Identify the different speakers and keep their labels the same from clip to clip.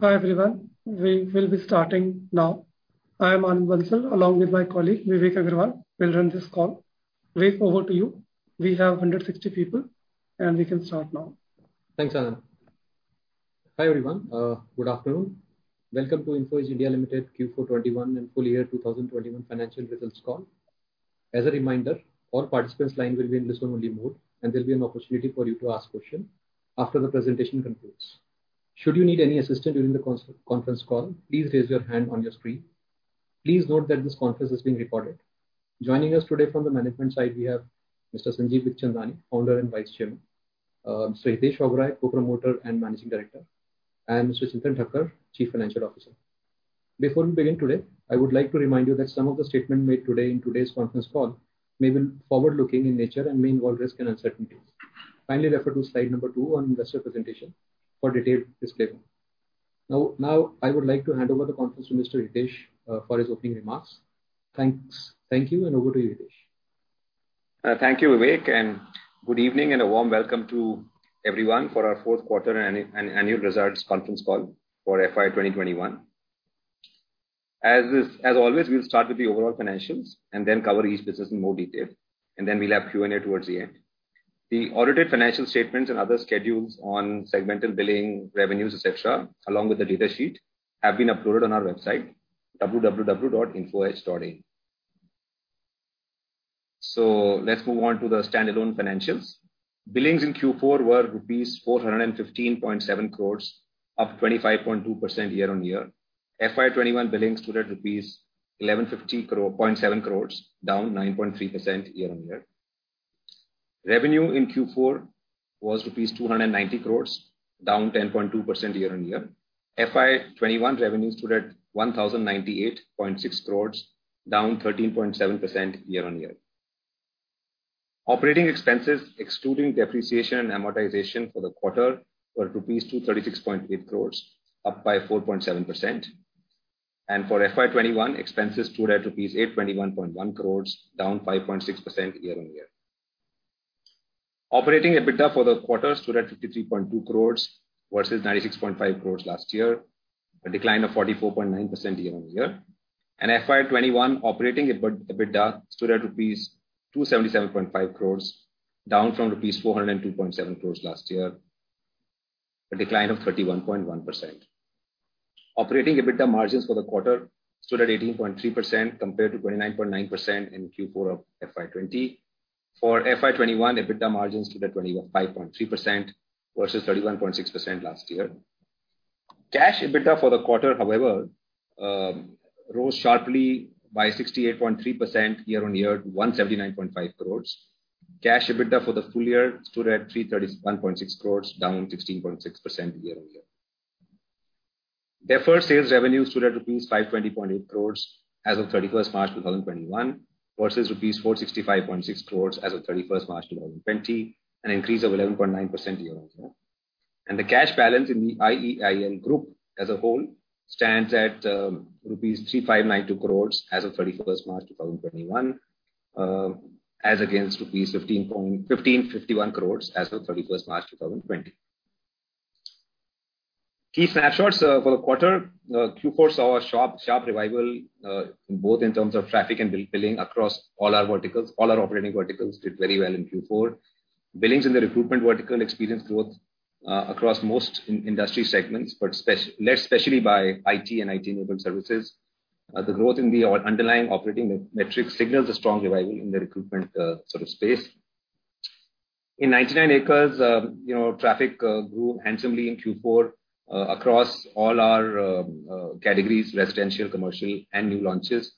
Speaker 1: Hi, everyone. We will be starting now. I'm Anand Bansal, along with my colleague, Vivek Aggarwal, we'll run this call. Over to you. We have 160 people, and we can start now.
Speaker 2: Thanks, Anand. Hi, everyone. Good afternoon. Welcome to Info Edge India Limited Q4 2021 and full year 2021 financial results call. As a reminder, all participants' line will be in listen-only mode and there'll be an opportunity for you to ask questions after the presentation concludes. Should you need any assistance during the conference call, please raise your hand on your screen. Please note that this conference is being recorded. Joining us today from the management side, we have Mr. Sanjeev Bikhchandani, Founder and Vice Chairman, Hitesh Oberoi, Promoter and Managing Director, and Mr. Chintan Thakkar, Chief Financial Officer. Before we begin today, I would like to remind you that some of the statements made today in today's conference call may be forward-looking in nature and may involve risks and uncertainties. Kindly refer to slide number two on investor presentation for detailed disclaimer. I would like to hand over the conference to Mr. Hitesh for his opening remarks. Thank you, over to Hitesh.
Speaker 3: Thank you, Vivek. Good evening and a warm welcome to everyone for our fourth quarter and annual results conference call for FY 2021. As always, we'll start with the overall financials and then cover each business in more detail, and then we'll have Q&A towards the end. The audited financial statements and other schedules on segmental billing, revenues, et cetera, along with the data sheet, have been uploaded on our website, www.infoedge.in. Let's move on to the standalone financials. Billings in Q4 were rupees 415.7 crores, up 25.2% year-on-year. FY 2021 billings stood at rupees 1,150.7 crores, down 9.3% year-on-year. Revenue in Q4 was rupees 290 crores, down 10.2% year-on-year. FY 2021 revenues stood at INR 1,098.6 crores, down 13.7% year-on-year. Operating expenses, excluding depreciation and amortization for the quarter, were rupees 236.8 crores, up by 4.7%. For FY 2021, expenses stood at rupees 821.1 crores, down 5.6% year-on-year. Operating EBITDA for the quarter stood at 53.2 crores versus 96.5 crores last year, a decline of 44.9% year-on-year. FY 2021 operating EBITDA stood at rupees 277.5 crores, down from rupees 402.7 crores last year, a decline of 31.1%. Operating EBITDA margins for the quarter stood at 18.3% compared to 29.9% in Q4 of FY 2020. For FY 2021, EBITDA margins stood at 25.3% versus 31.6% last year. Cash EBITDA for the quarter, however, rose sharply by 68.3% year-on-year to 179.5 crores. Cash EBITDA for the full year stood at 331.6 crores, down 16.6% year-on-year. Deferred sales revenue stood at rupees 520.8 crores as of March 31st, 2021 versus rupees 465.6 crores as of March 31st, 2020, an increase of 11.9% year-on-year. The cash balance in the IEIL group as a whole stands at rupees 3,592 crores as of March 31st, 2021, as against rupees 1,551 crores as of March 31st, 2020. Key snapshots for quarter. Q4 saw a sharp revival, both in terms of traffic and billing across all our verticals. All our operating verticals did very well in Q4. Billings in the recruitment vertical experienced growth across most industry segments, led specially by IT and IT-enabled services. The growth in the underlying operating metrics signals a strong revival in the recruitment space. In 99acres, traffic grew handsomely in Q4 across all our categories, residential, commercial, and new launches.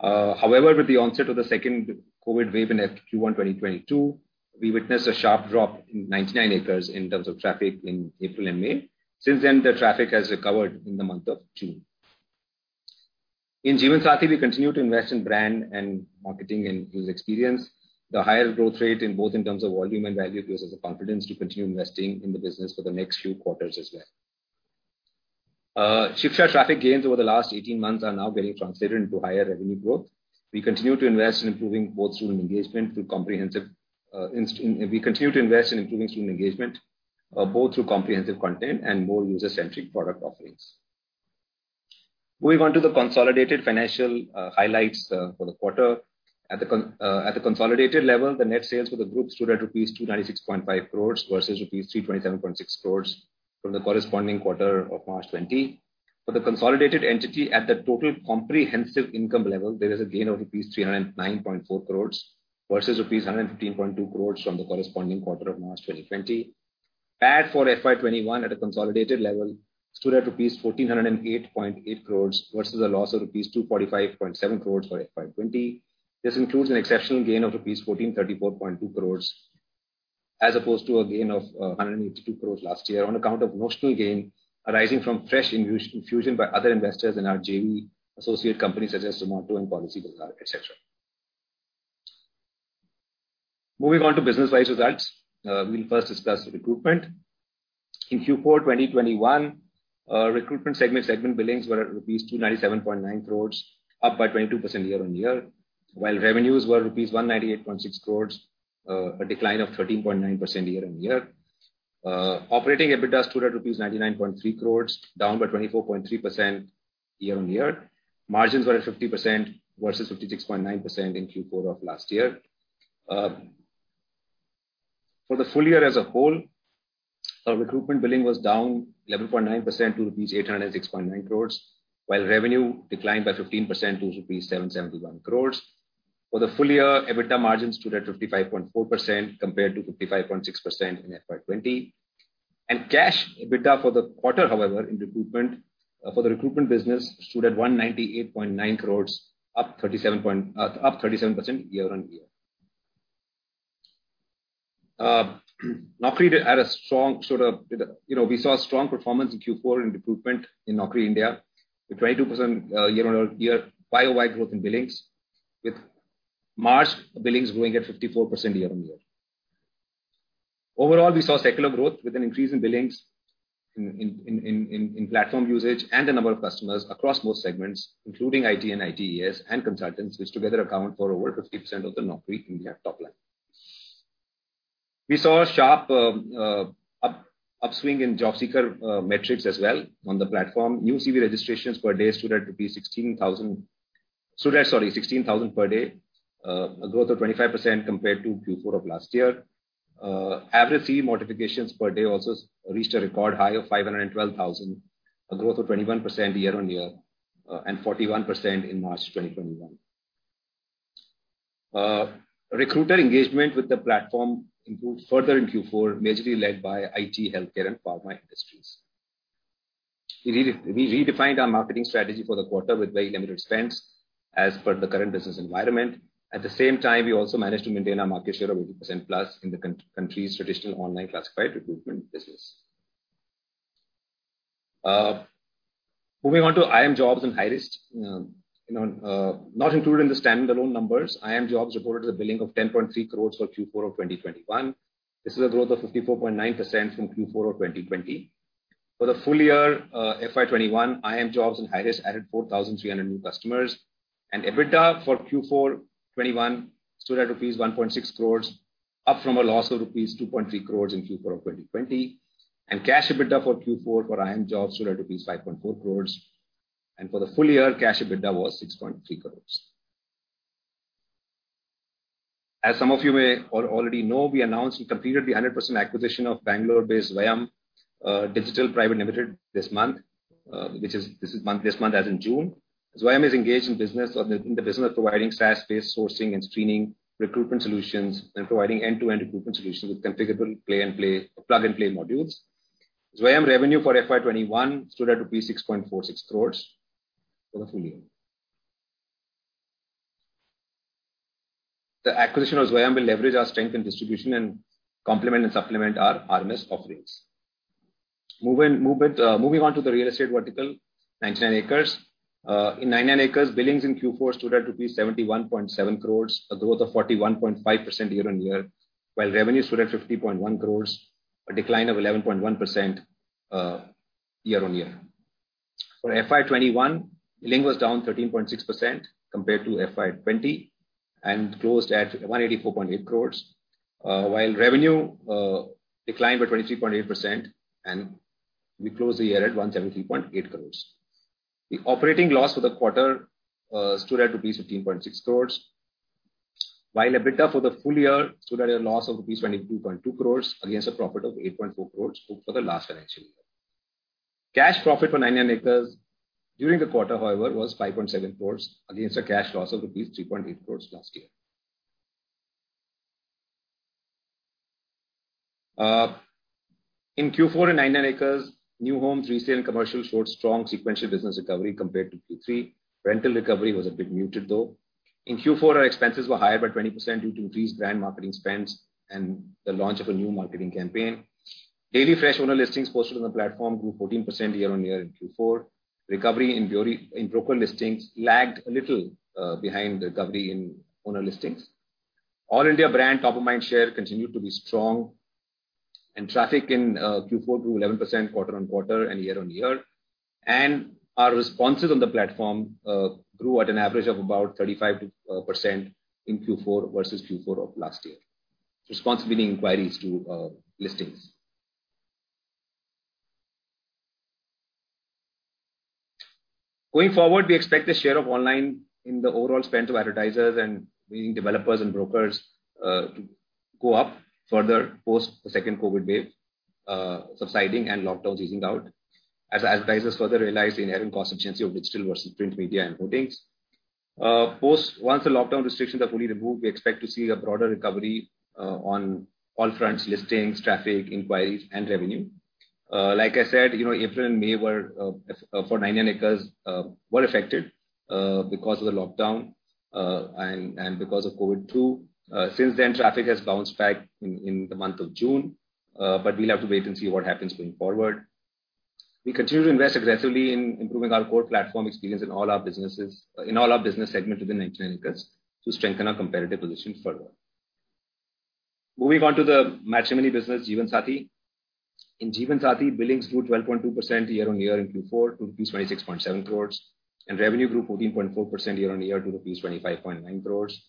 Speaker 3: However, with the onset of the second COVID wave in FY 2022, we witnessed a sharp drop in 99acres in terms of traffic in April and May. Since then, the traffic has recovered in the month of June. In Jeevansathi, we continue to invest in brand and marketing and user experience. The higher growth rate in both in terms of volume and value gives us the confidence to continue investing in the business for the next few quarters as well. Shiksha traffic gains over the last 18 months are now getting translated into higher revenue growth. We continue to invest in improving student engagement, both through comprehensive content and more user-centric product offerings. Moving on to the consolidated financial highlights for the quarter. At the consolidated level, the net sales for the group stood at rupees 296.5 crores versus rupees 327.6 crores from the corresponding quarter of March 2020. For the consolidated entity at the total comprehensive income level, there is a gain of rupees 309.4 crores versus rupees 115.2 crores from the corresponding quarter of March 2020. Add for FY 2021 at a consolidated level stood at rupees 1,408.8 crores versus a loss of rupees 245.7 crores for FY 2020. This includes an exceptional gain of rupees 1,434.2 crores as opposed to a gain of 182 crores last year on account of notional gain arising from fresh infusion by other investors in our JV associate companies such as Zomato and PolicyBazaar, et cetera. Moving on to business-wise results. We'll first discuss Recruitment. In Q4 2021, Recruitment segment billings were at rupees 297.9 crores, up by 22% year-on-year. While revenues were rupees 198.6 crores, a decline of 13.9% year-on-year. Operating EBITDA stood at INR 99.3 crores, down by 24.3% year-on-year. Margins were 50% versus 56.9% in Q4 of last year. For the full year as a whole, Recruitment billing was down 11.9% to rupees 806.9 crores, while revenue declined by 15% to rupees 771 crores. For the full year, EBITDA margins stood at 55.4% compared to 55.6% in FY 2020. Cash EBITDA for the quarter, however, for the recruitment business stood at 198.9 crores, up 37% year-on-year. We saw strong performance in Q4 in recruitment in Naukri India with 22% year-on-year bio-wide growth in billings, with March billings growing at 54% year-on-year. Overall, we saw secular growth with an increase in billings, in platform usage and the number of customers across most segments, including IT and ITeS and consultants, which together account for over 50% of the Naukri India top line. We saw a sharp upswing in job seeker metrics as well on the platform. New CV registrations per day stood at 16,000 per day, a growth of 25% compared to Q4 of last year. Average CV modifications per day also reached a record high of 512,000, a growth of 21% year-on-year, and 41% in March 2021. Recruiter engagement with the platform improved further in Q4, majorly led by IT, healthcare, and power industries. We redefined our marketing strategy for the quarter with very limited spends as per the current business environment. At the same time, we also managed to maintain our market share of 80+ in the country's traditional online classified recruitment business. Moving on to iimjobs and Hirist. Not included in the standalone numbers, iimjobs reported a billing of 10.3 crores for Q4 of 2021. This is a growth of 54.9% from Q4 of 2020. For the full year, FY 2021, iimjobs and Hirist added 4,300 new customers, and EBITDA for Q4 2021 stood at rupees 1.6 crores, up from a loss of rupees 2.3 crores in Q4 of 2020. Cash EBITDA for Q4 for iimjobs stood at rupees 5.4 crores. For the full year, cash EBITDA was 6.3 crores. As some of you may already know, we announced we completed the 100% acquisition of Bangalore-based Zwayam Digital Private Limited this month as in June. Zwayam is engaged in the business of providing SaaS-based sourcing and screening recruitment solutions and providing end-to-end recruitment solutions with configurable plug-and-play modules. Zwayam revenue for FY 2021 stood at 6.46 crores for the full year. The acquisition of Zwayam will leverage our strength in distribution and complement and supplement our RMS offerings. Moving on to the real estate vertical, 99acres. In 99acres, billings in Q4 stood at 71.7 crores rupees, a growth of 41.5% year-on-year, while revenue stood at 50.1 crores, a decline of 11.1% year-on-year. For FY 2021, billing was down 13.6% compared to FY 2020 and closed at 184.8 crores, while revenue declined by 23.8%, and we closed the year at 173.8 crores. The operating loss for the quarter stood at rupees 15.6 crores, while EBITDA for the full year stood at a loss of rupees 22.2 crores against a profit of 8.4 crores for the last financial year. Cash profit for 99acres during the quarter, however, was 5.7 crores against a cash loss of rupees 3.8 crores last year. In Q4 at 99acres, new homes, resale, and commercial showed strong sequential business recovery compared to Q3. Rental recovery was a bit muted, though. In Q4, our expenses were high by 20% due to increased brand marketing spends and the launch of a new marketing campaign. Daily fresh owner listings posted on the platform grew 14% year-on-year in Q4. Recovery in broker listings lagged a little behind recovery in owner listings. All India brand top-of-mind share continued to be strong, and traffic in Q4 grew 11% quarter-on-quarter and year-on-year. Our responses on the platform grew at an average of about 35% in Q4 versus Q4 of last year. Response meaning inquiries to listings. Going forward, we expect the share of online in the overall spend of advertisers and main developers and brokers to go up further post the second COVID wave subsiding and lockdowns easing out as advertisers further realize the inherent cost efficiency of digital versus print media and hoardings. Once the lockdown restrictions are fully removed, we expect to see a broader recovery on all fronts, listings, traffic, inquiries, and revenue. Like I said, April and May for 99acres were affected because of the lockdown and because of COVID-2. Since then, traffic has bounced back in the month of June, we'll have to wait and see what happens going forward. We continue to invest aggressively in improving our core platform experience in all our business segments within 99acres to strengthen our competitive position further. Moving on to the matrimony business, Jeevansathi. In Jeevansathi, billings grew 12.2% year-on-year in Q4 to rupees 26.7 crores, and revenue grew 14.4% year-on-year to rupees 25.9 crores.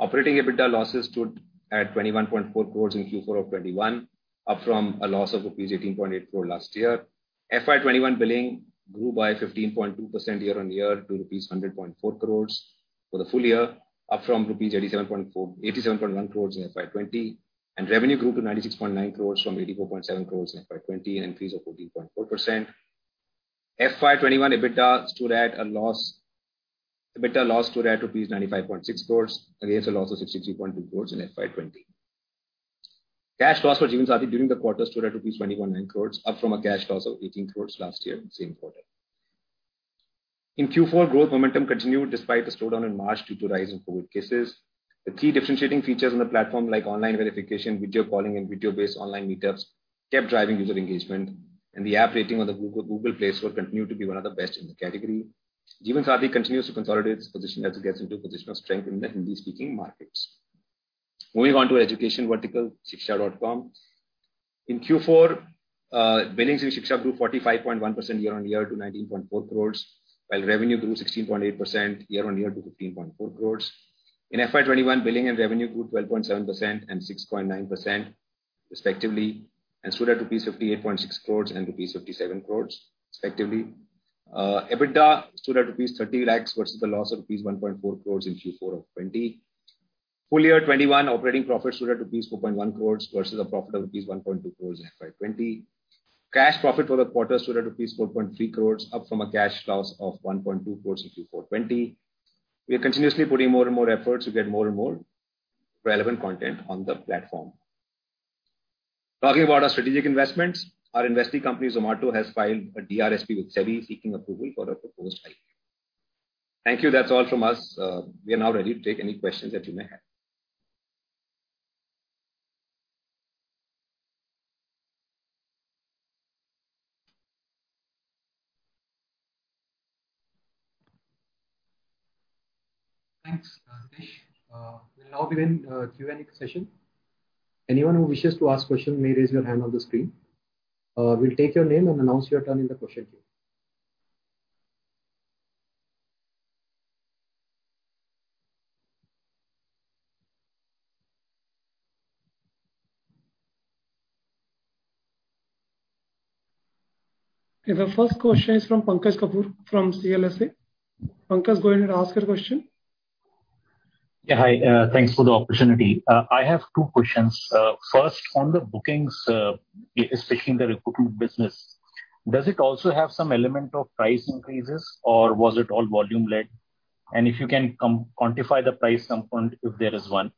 Speaker 3: Operating EBITDA losses stood at 21.4 crores in Q4 of 2021, up from a loss of rupees 18.8 crores last year. FY 2021 billing grew by 15.2% year-on-year to rupees 100.4 crores for the full year, up from 87.1 crores in FY 2020, and revenue grew to 96.9 crores from 84.7 crores in FY 2020, an increase of 14.4%. FY 2021 EBITDA loss stood at INR. 95.6 crores against a loss of 63.2 crores in FY20. Cash loss for Jeevansathi during the quarter stood at rupees 21.9 crores, up from a cash loss of 18 crores last year in the same quarter. In Q4, growth momentum continued despite the slowdown in March due to rise in COVID cases. The three differentiating features on the platform, like online verification, video calling and video-based online meetups, kept driving user engagement. The app rating on the Google Play Store continued to be one of the best in the category. Jeevansathi continues to consolidate its position as it gets into a position of strength in the Hindi-speaking markets. Moving on to education vertical, shiksha.com. In Q4, billings in Shiksha grew 45.1% year-on-year to 19.4 crores, while revenue grew 16.8% year-on-year to 15.4 crores. In FY 2021, billing and revenue grew 12.7% and 6.9%, respectively, and stood at rupees 58.6 crores and rupees 57 crores respectively. EBITDA stood at rupees 30 lakhs versus a loss of rupees 1.4 crores in Q4 2020. Full year 2021 operating profit stood at rupees 4.1 crores versus a profit of rupees 1.2 crores in FY 2020. Cash profit for the quarter stood at rupees 4.3 crores, up from a cash loss of 1.2 crores in Q4 2020. We are continuously putting more and more efforts to get more and more relevant content on the platform. Talking about our strategic investments. Our investee company, Zomato, has filed a DRHP with SEBI seeking approval for a proposed IPO. Thank you. That's all from us. We are now ready to take any questions that you may have.
Speaker 2: Thanks, Hitesh Oberoi. We'll now begin Q&A session. Anyone who wishes to ask question may raise your hand on the screen. We'll take your name and announce your turn in the question queue.
Speaker 1: Okay, the first question is from Pankaj Kapoor from CLSA. Pankaj, go ahead and ask your question.
Speaker 4: Yeah. Hi, thanks for the opportunity. I have two questions. First, on the bookings, especially in the recruitment business, does it also have some element of price increases or was it all volume-led? If you can quantify the price component, if there is one.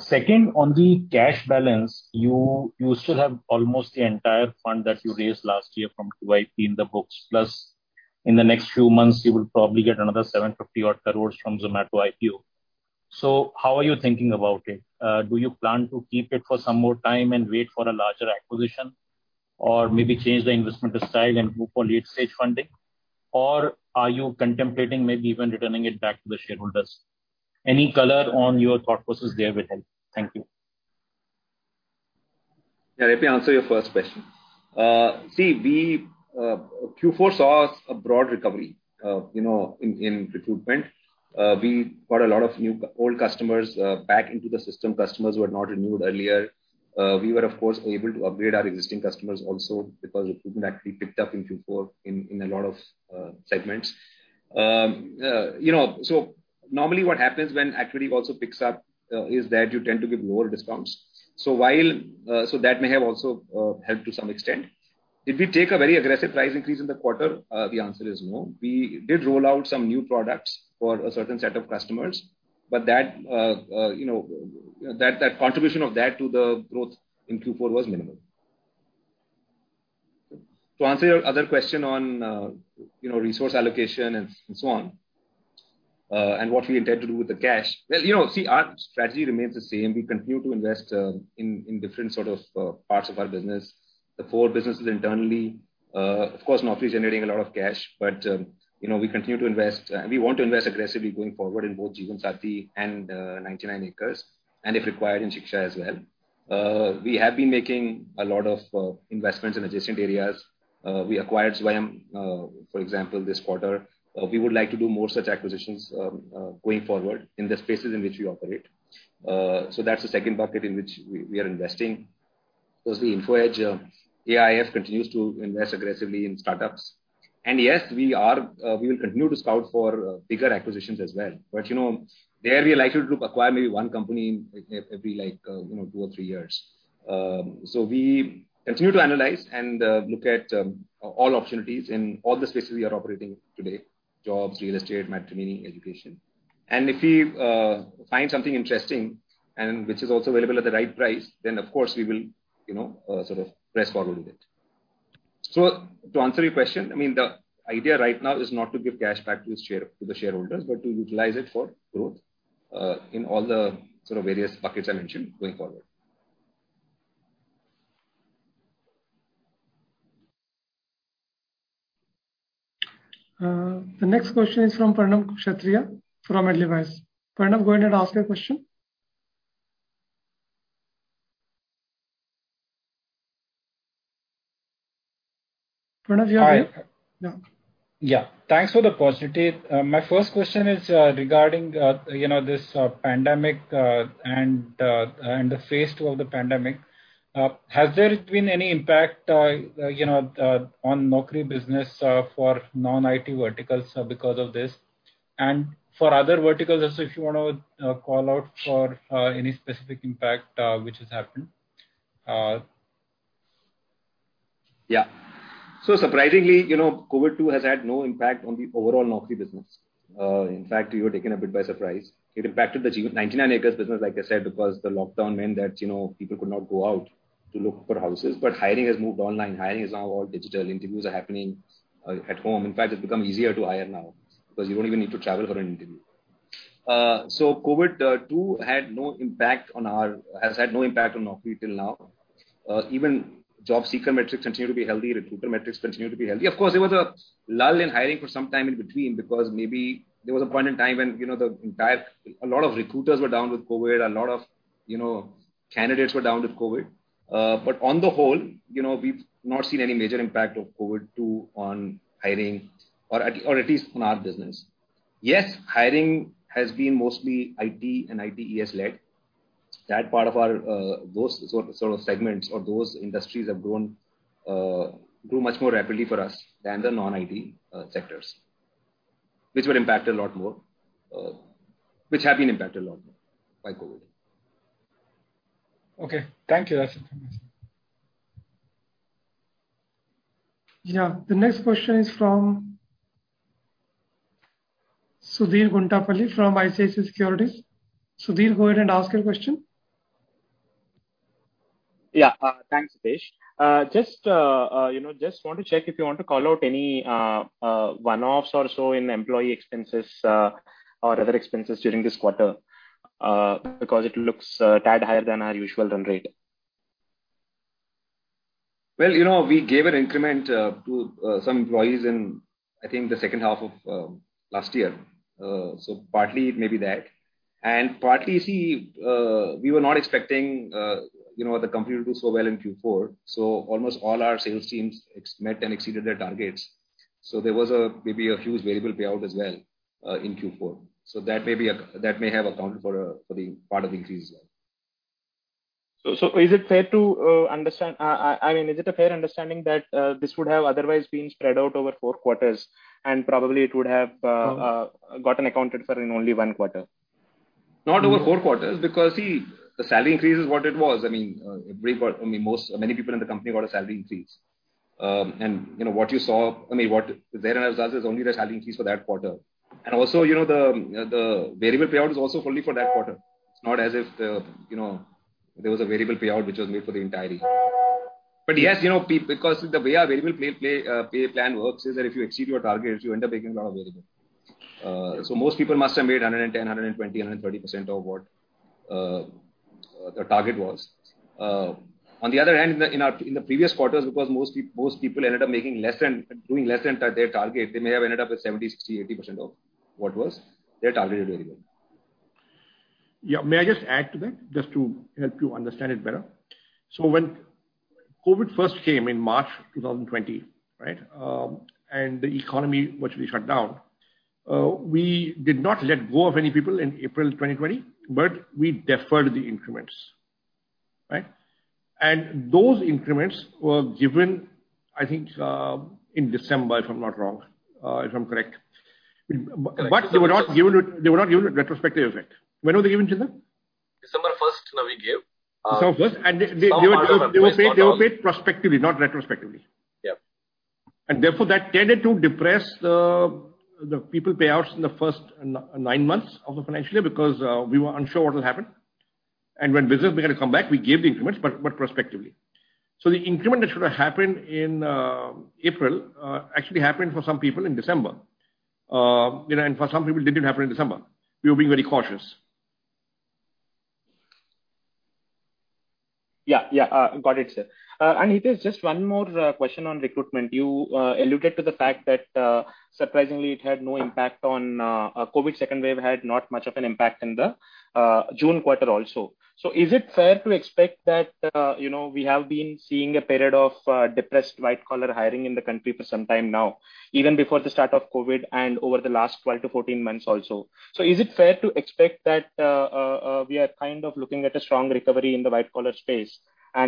Speaker 4: Second, on the cash balance, you still have almost the entire fund that you raised last year from QIP in the books, plus in the next few months, you will probably get another 750 odd crores from Zomato IPO. How are you thinking about it? Do you plan to keep it for some more time and wait for a larger acquisition? Maybe change the investment style and go for late stage funding? Are you contemplating maybe even returning it back to the shareholders? Any color on your thought process there would help. Thank you.
Speaker 3: Yeah, let me answer your first question. Q4 saw a broad recovery in recruitment. We got a lot of old customers back into the system, customers who had not renewed earlier. We were, of course, able to upgrade our existing customers also because recruitment actually picked up in Q4 in a lot of segments. Normally what happens when activity also picks up is that you tend to give lower discounts. That may have also helped to some extent. Did we take a very aggressive price increase in the quarter? The answer is no. We did roll out some new products for a certain set of customers, but the contribution of that to the growth in Q4 was minimal. To answer your other question on resource allocation and so on, and what we intend to do with the cash. Well, see, our strategy remains the same. We continue to invest in different sort of parts of our business. The four businesses internally, of course, are not really generating a lot of cash, but we continue to invest. We want to invest aggressively going forward in both Jeevansathi and 99acres, and if required, in Shiksha.com as well. We have been making a lot of investments in adjacent areas. We acquired Zwayam, for example, this quarter. We would like to do more such acquisitions going forward in the spaces in which we operate. That's the second bucket in which we are investing. Obviously Info Edge, AIF continues to invest aggressively in startups. Yes, we will continue to scout for bigger acquisitions as well. There, we are likely to acquire maybe one company every two or three years. We continue to analyze and look at all opportunities in all the spaces we are operating today, jobs, real estate, matrimony, education. If we find something interesting and which is also available at the right price, then of course, we will press forward with it. To answer your question, the idea right now is not to give cash back to the shareholders, but to utilize it for growth in all the sort of various buckets I mentioned going forward.
Speaker 1: The next question is from Pranav Kshatriya from Edelweiss. Pranav, go ahead and ask your question. Pranav, you are on mute.
Speaker 5: Yeah. Thanks for the positivity. My first question is regarding this pandemic and the phase II of the pandemic. Has there been any impact on Naukri business for non-IT verticals because of this? For other verticals also, if you want to call out for any specific impact which has happened.
Speaker 3: Yeah. Surprisingly, COVID-2 has had no impact on the overall Naukri business. In fact, we were taken a bit by surprise. It impacted the 99acres business, like I said, because the lockdown meant that people could not go out to look for houses. Hiring has moved online. Hiring is now all digital. Interviews are happening at home. In fact, it's become easier to hire now because you don't even need to travel for an interview. COVID-2 has had no impact on Naukri till now. Even job seeker metrics continue to be healthy, recruiter metrics continue to be healthy. Of course, there was a lull in hiring for some time in between because maybe there was a point in time when a lot of recruiters were down with COVID, a lot of candidates were down with COVID. On the whole, we've not seen any major impact of COVID-2 on hiring or at least on our business. Yes, hiring has been mostly IT and ITeS led. Those sort of segments or those industries have grown much more rapidly for us than the non-IT sectors, which have been impacted a lot more by COVID.
Speaker 5: Okay. Thank you. That's it.
Speaker 1: Yeah. The next question is from Sudheer Guntupalli from ICICI Securities. Sudheer, go ahead and ask your question.
Speaker 6: Yeah. Thanks, Hitesh. Just want to check if you want to call out any one-offs or so in employee expenses or other expenses during this quarter because it looks a tad higher than our usual run rate.
Speaker 3: Well, we gave an increment to some employees in, I think, the H2 of last year. Partly it may be that, and partly, you see, we were not expecting the company to do so well in Q4. Almost all our sales teams met and exceeded their targets. There was maybe a huge variable payout as well in Q4. That may have accounted for the part of the increase as well.
Speaker 6: Is it a fair understanding that this would have otherwise been spread out over four quarters and probably it would have gotten accounted for in only one quarter?
Speaker 3: Not over four quarters, because, see, the salary increase is what it was. Many people in the company got a salary increase. What you saw, I mean, what there as asked is only the salary increase for that quarter. Also, the variable payout is also fully for that quarter. It's not as if there was a variable payout which was made for the entire year. Yes, because the way our variable pay plan works is that if you exceed your targets, you end up making a lot of variable. Most people must have made 110%, 120%, 130% of what the target was. On the other hand, in the previous quarters, because most people ended up doing less than their target, they may have ended up with 70%, 60%, 80% of what was their targeted variable.
Speaker 7: Yeah. May I just add to that, just to help you understand it better? When COVID first came in March 2020, and the economy virtually shut down, we did not let go of any people in April 2020, but we deferred the increments. Those increments were given, I think, in December, if I'm correct. They were not given with retrospective effect. When were they given, Chintan?
Speaker 8: December 1st we gave.
Speaker 7: December 1st. They were paid prospectively, not retrospectively.
Speaker 8: Yeah.
Speaker 7: Therefore, that tended to depress the people payouts in the first nine months of the financial year because we were unsure what will happen. When business began to come back, we gave the increments, but prospectively. The increment that should have happened in April actually happened for some people in December. For some people, it didn't happen in December. We were being very cautious.
Speaker 6: Yeah. Got it, sir. Hitesh, just one more question on recruitment. You alluded to the fact that surprisingly, COVID second wave had not much of an impact in the June quarter also. Is it fair to expect that we have been seeing a period of depressed white-collar hiring in the country for some time now, even before the start of COVID and over the last 12-14 months also. Is it fair to expect that we are kind of looking at a strong recovery in the white-collar space?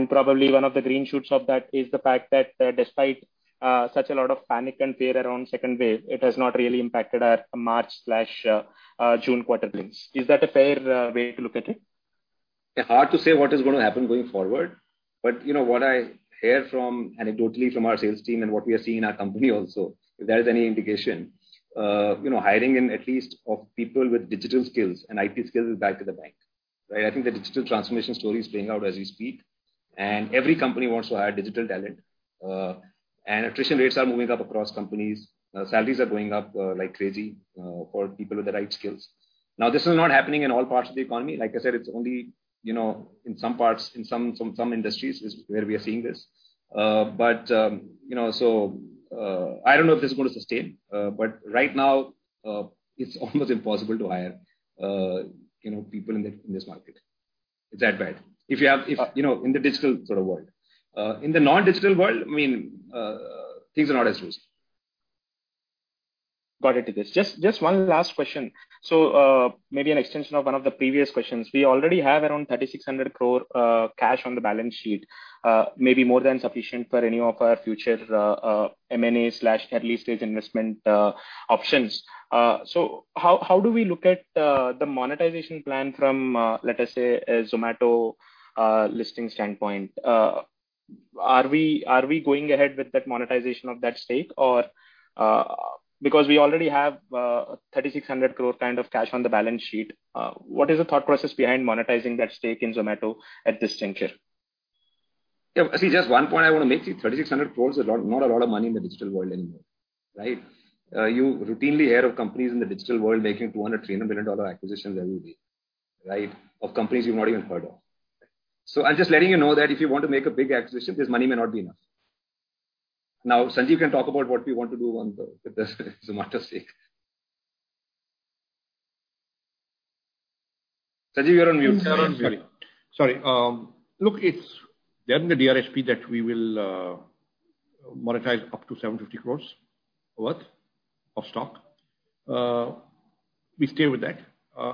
Speaker 6: Probably one of the green shoots of that is the fact that despite such a lot of panic and fear around second wave, it has not really impacted our March/June quarter things. Is that a fair way to look at it?
Speaker 3: Hard to say what is going to happen going forward. What I hear anecdotally from our sales team and what we are seeing in our company also, if there is any indication, hiring in at least of people with digital skills and IT skills is back with a bang. I think the digital transformation story is playing out as we speak, and every company wants to hire digital talent. Attrition rates are moving up across companies. Salaries are going up like crazy for people with the right skills. This is not happening in all parts of the economy. Like I said, it's only in some parts, in some industries, where we are seeing this. I don't know if this is going to sustain, but right now it's almost impossible to hire people in this market. Is that right? In the digital world. In the non-digital world, things are not as loose.
Speaker 6: Got it. Just one last question. Maybe an extension of one of the previous questions. We already have around 3,600 crore cash on the balance sheet, maybe more than sufficient for any of our future M&A/early-stage investment options. How do we look at the monetization plan from, let us say, a Zomato listing standpoint? Are we going ahead with that monetization of that stake? We already have 3,600 crore cash on the balance sheet. What is the thought process behind monetizing that stake in Zomato at this juncture?
Speaker 3: Just one point I want to make, 3,600 crore is not a lot of money in the digital world anymore. You routinely hear of companies in the digital world making $200 million, $300 million acquisitions every day. Of companies you've not even heard of. I'm just letting you know that if you want to make a big acquisition, this money may not be enough. Sanjeev can talk about what we want to do on the Zomato stake. Sanjeev, you're on mute.
Speaker 7: Sorry. Look, it's there in the DRHP that we will monetize up to 750 crores worth of stock. We stay with that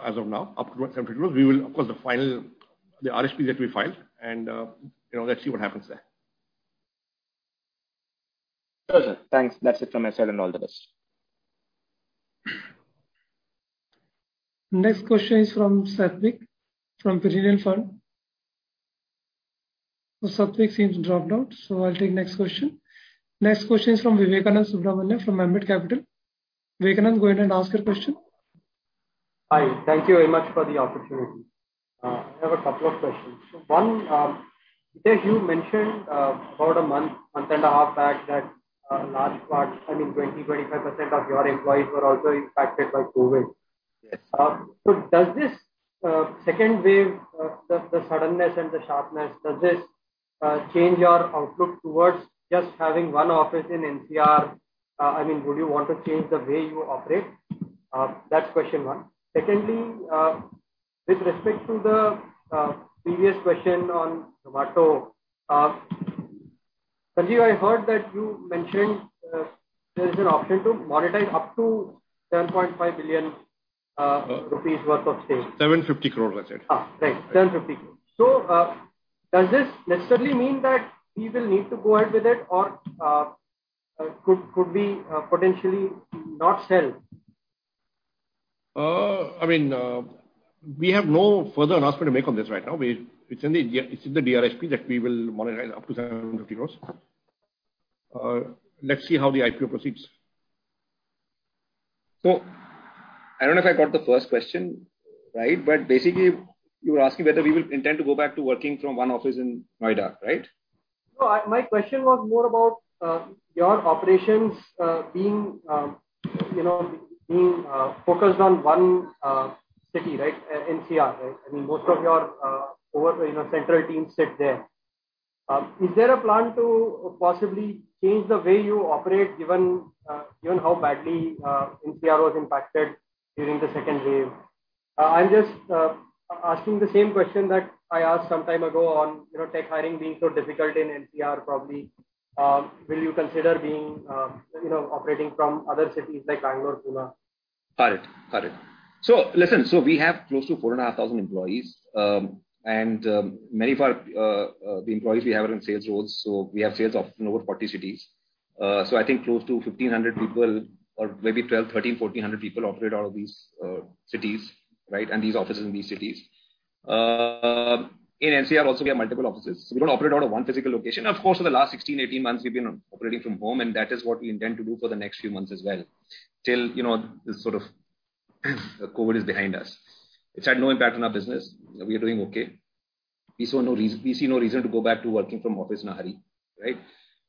Speaker 7: as of now, up to 750 crores. We will, of course, the final RHP that we file. Let's see what happens there.
Speaker 6: Sure, sir. Thanks. That is it from my side on all this.
Speaker 1: Next question is from Satvik from Cerulean Fund. Satvik seems to have dropped out, so I'll take next question. Next question is from Vivekanand Subbaraman from Ambit Capital. Vivekananda, go ahead and ask your question.
Speaker 9: Hi. Thank you very much for the opportunity. I have a couple of questions. One, Sanjeev, you mentioned about a month and a half back that a large part, I think 20%-25% of your employees were also impacted by COVID.
Speaker 7: Yes.
Speaker 9: Does this second wave, the suddenness and the sharpness, does this change your outlook towards just having one office in NCR? Would you want to change the way you operate? That's question one. Secondly, with respect to the previous question on Zomato, Sanjeev, I heard that you mentioned there's an option to monetize up to 7.5 billion rupees worth of stake.
Speaker 7: 750 crore.
Speaker 9: Thanks. 750 crore. Does this necessarily mean that you will need to go ahead with it or could we potentially not sell?
Speaker 7: We have no further announcement to make on this right now. It's in the DRHP that we will monetize up to 750 crores. Let's see how the IPO proceeds.
Speaker 3: I don't know if I got the first question, but basically, you were asking whether we would intend to go back to working from one office in Noida, right?
Speaker 9: No, my question was more about your operations being focused on one city, NCR. Both of your central teams sit there. Is there a plan to possibly change the way you operate, given how badly NCR was impacted during the second wave? I'm just asking the same question that I asked some time ago on tech hiring being so difficult in NCR, probably. Will you consider operating from other cities like Bangalore soon?
Speaker 3: Got it. We have close to 4,500 employees, and many of our employees we have on sales roles, so we have sales of over 40 cities. I think close to 1,500 people or maybe 12, 13, 1,400 people operate out of these cities, and these offices in these cities. In NCR, also, we have multiple offices. We don't operate out of one physical location. Of course, for the last 16, 18 months, we've been operating from home, and that is what we intend to do for the next few months as well, till this COVID is behind us. It's had no impact on our business. We're doing okay. We see no reason to go back to working from office in a hurry.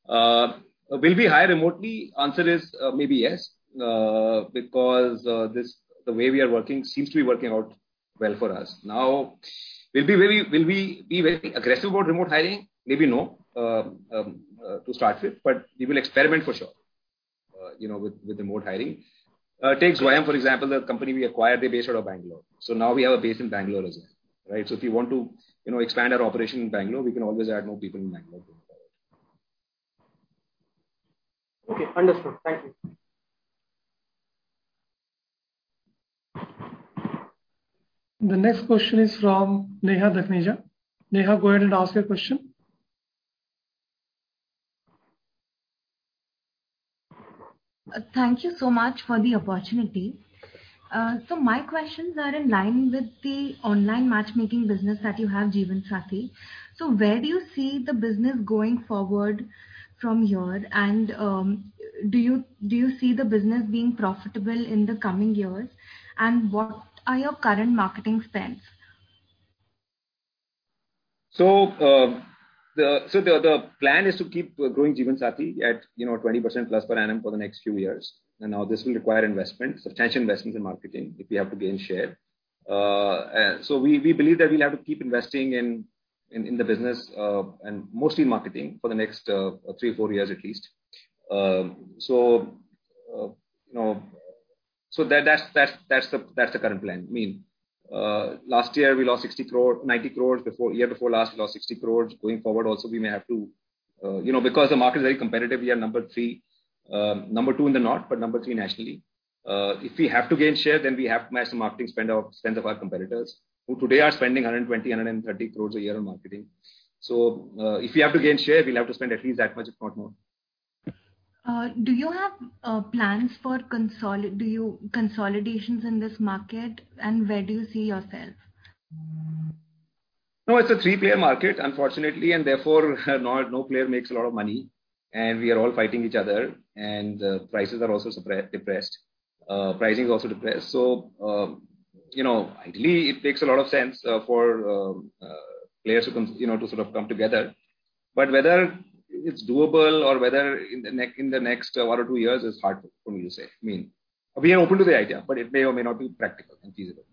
Speaker 3: Will we hire remotely? Answer is maybe yes, because the way we are working seems to be working out well for us. Now, will we be very aggressive about remote hiring? Maybe no, to start with, but we will experiment for sure with remote hiring. Take Zomato, for example, the company we acquired, they're based out of Bangalore. Now we have a base in Bangalore as well. If we want to expand our operation in Bangalore, we can always add more people in Bangalore to it.
Speaker 9: Okay, understood. Thank you.
Speaker 1: The next question is from Neha Dhandhania. Neha, go ahead and ask your question.
Speaker 10: Thank you so much for the opportunity. My questions are in line with the online matchmaking business that you have, Jeevansathi. Where do you see the business going forward from here? Do you see the business being profitable in the coming years? What are your current marketing spends?
Speaker 3: The plan is to keep growing Jeevansathi at 20%+ per annum for the next few years. This will require investment, substantial investment in marketing if we have to gain share. We believe that we have to keep investing in the business and mostly marketing for the next three or four years at least. That's the current plan. Last year we lost 90 crores, the year before last we lost 60 crores. Going forward also we may have to, because the market is very competitive, we are number three. Number two in the north, but number three nationally. If we have to gain share, then we have to match the marketing spend of our competitors, who today are spending 120 crores, 130 crores a year on marketing. If we have to gain share, we have to spend at least that much, if not more.
Speaker 10: Do you have plans for consolidations in this market, and where do you see yourself?
Speaker 3: No, it's a three-player market, unfortunately, and therefore, no player makes a lot of money, and we are all fighting each other, and prices are also suppressed, depressed. Pricing is also depressed. Ideally, it makes a lot of sense for players to come together. Whether it's doable or whether in the next one or two years, it's hard for me to say. We are open to the idea, but it may or may not be practical and feasible.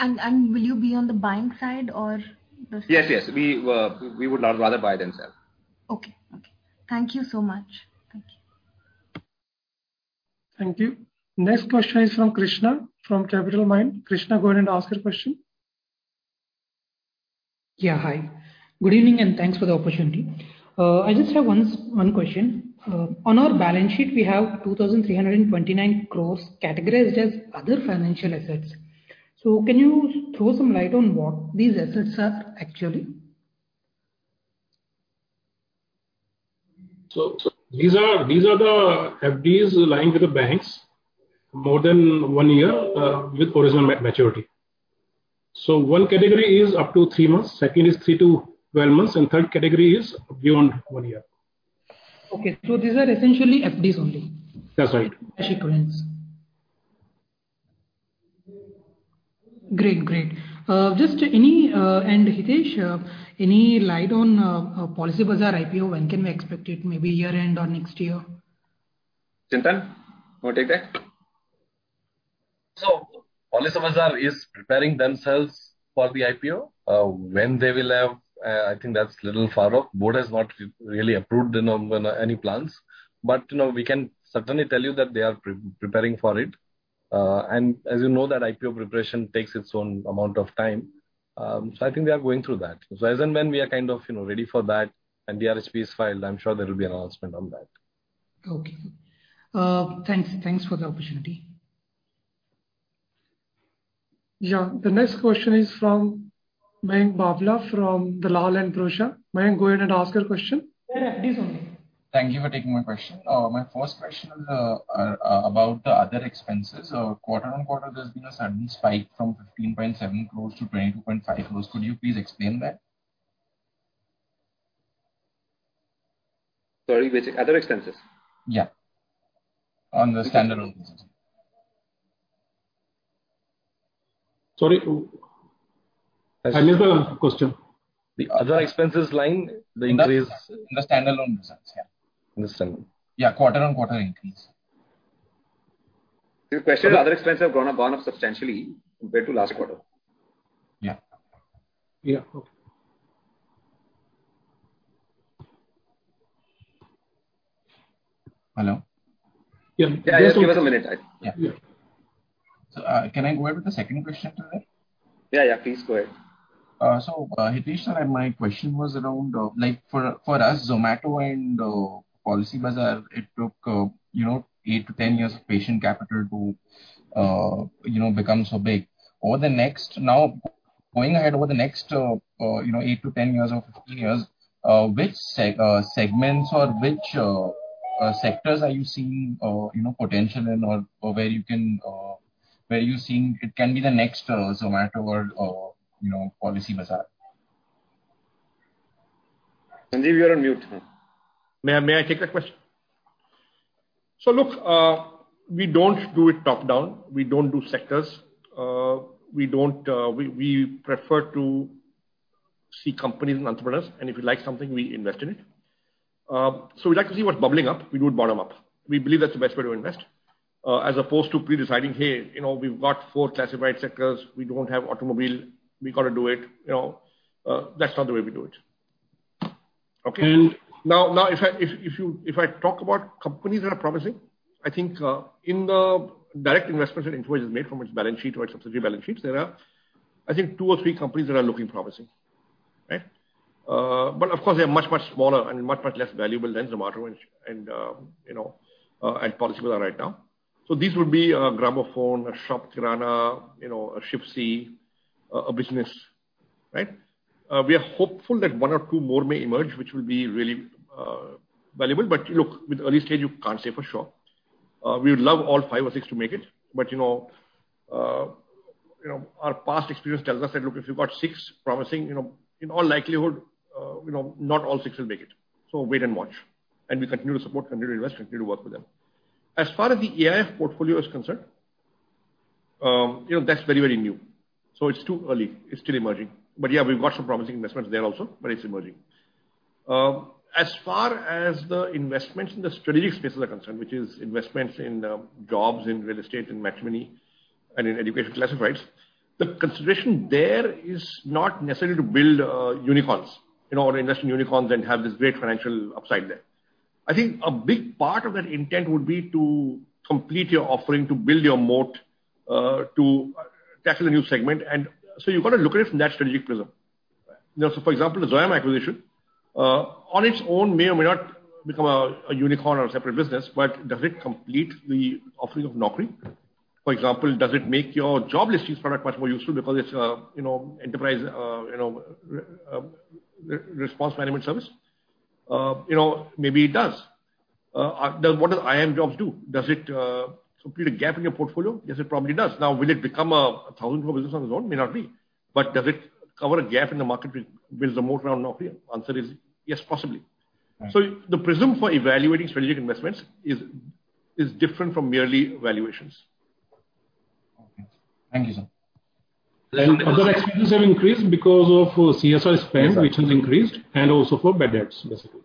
Speaker 10: Will you be on the buying side or the selling side?
Speaker 3: Yes. We would rather buy themselves.
Speaker 10: Okay. Thank you so much.
Speaker 1: Thank you. Next question is from Krishna from Capitalmind. Krishna, go ahead and ask your question.
Speaker 11: Yeah, hi. Good evening, and thanks for the opportunity. I just have one question. On our balance sheet, we have 2,329 crore categorized as other financial assets. Can you throw some light on what these assets are actually?
Speaker 7: These are the FDs lying with the banks, more than one year with original maturity. One category is up to three months, second is 3-12 months, and third category is beyond one year.
Speaker 11: Okay, these are essentially FDs only.
Speaker 7: That's right.
Speaker 11: Cash equivalents. Great. Hitesh, any light on PolicyBazaar IPO, when can we expect it? Maybe year-end or next year?
Speaker 3: Chintan, want to take that?
Speaker 8: PolicyBazaar is preparing themselves for the IPO. When they will have, I think that's a little far off. board has not really approved any plans. We can certainly tell you that they are preparing for it. As you know, that IPO preparation takes its own amount of time. I think they are going through that. As and when we are ready for that, and the RHP is filed, I'm sure there will be an announcement on that.
Speaker 11: Okay. Thanks for the opportunity.
Speaker 1: Yeah. The next question is from Mayank Babla from Dalal & Broacha. Mayank, go ahead and ask your question. Yeah, please go on.
Speaker 12: Thank you for taking my question. My first question is about the other expenses. Quarter-on-quarter, there has been a sudden spike from 15.7 crores to 22.5 crores. Could you please explain that?
Speaker 3: Sorry, the other expenses?
Speaker 12: Yeah. On the standalone basis.
Speaker 7: Sorry, can you repeat the question?
Speaker 3: The other expenses line.
Speaker 12: In the standalone results, yeah. Yeah, quarter-on-quarter increase.
Speaker 3: The special other expenses have gone up substantially compared to last quarter.
Speaker 12: Yeah.
Speaker 7: Yeah. Okay.
Speaker 12: Hello?
Speaker 3: Yeah. Just give her a minute.
Speaker 12: Yeah. Can I go ahead with the second question?
Speaker 3: Yeah, please go ahead.
Speaker 12: Hitesh, my question was around, for us, Zomato and PolicyBazaar, it took 8-10 years of patient capital to become so big. Now, going ahead over the next 8-10 years or 15 years, which segments or which sectors are you seeing potential in or where you're seeing it can be the next Zomato or PolicyBazaar?
Speaker 3: Sanjeev, you are on mute.
Speaker 7: May I take that question? Look, we don't do it top-down. We don't do sectors. We prefer to see companies and entrepreneurs, and if we like something, we invest in it. We like to see what's bubbling up. We do it bottom-up. We believe that's the best way to invest. As opposed to pre-deciding, hey, we've got four classified sectors. We don't have automobile. We got to do it. That's not the way we do it.
Speaker 12: Okay.
Speaker 7: If I talk about companies that are promising, I think in the direct investments that Info Edge has made from its balance sheet to our subsidiary balance sheets, there are, I think, two or three companies that are looking promising. Of course, they're much, much smaller and much, much less valuable than Zomato and PolicyBazaar right now. These would be a Gramophone, a ShopKirana, a Shipsy, a Business. We are hopeful that one or two more may emerge, which will be really valuable. Look, with early stage, you can't say for sure. We would love all five or six to make it, but our past experience tells us that, look, if you've got six promising, in all likelihood, not all six will make it. Wait and watch. We continue to support, continue to invest, continue to work with them. As far as the AIF portfolio is concerned. That's very new. It's too early. It's still emerging. Yeah, we've got some promising investments there also, but it's emerging. As far as the investments in the strategic space are concerned, which is investments in jobs, in real estate, in Matrimony, and in education classifieds, the consideration there is not necessarily to build unicorns or invest in unicorns and have this great financial upside there. I think a big part of that intent would be to complete your offering, to build your moat, to tackle a new segment. You've got to look at it from that strategic prism. For example, the Zomato acquisition, on its own may or may not become a unicorn or a separate business, but does it complete the offering of Naukri? For example, does it make your jobs product much more useful because it's an enterprise response management service? Maybe it does. What does iimjobs do? Does it complete a gap in your portfolio? Yes, it probably does. Will it become a 1,000 crore business on its own? May not be. Does it cover a gap in the market, builds a moat around Naukri? Answer is yes, possibly. The prism for evaluating strategic investments is different from merely valuations.
Speaker 12: Okay. Thank you, sir.
Speaker 8: The expenses have increased because of CSR spend, which has increased, and also for bad debts, basically,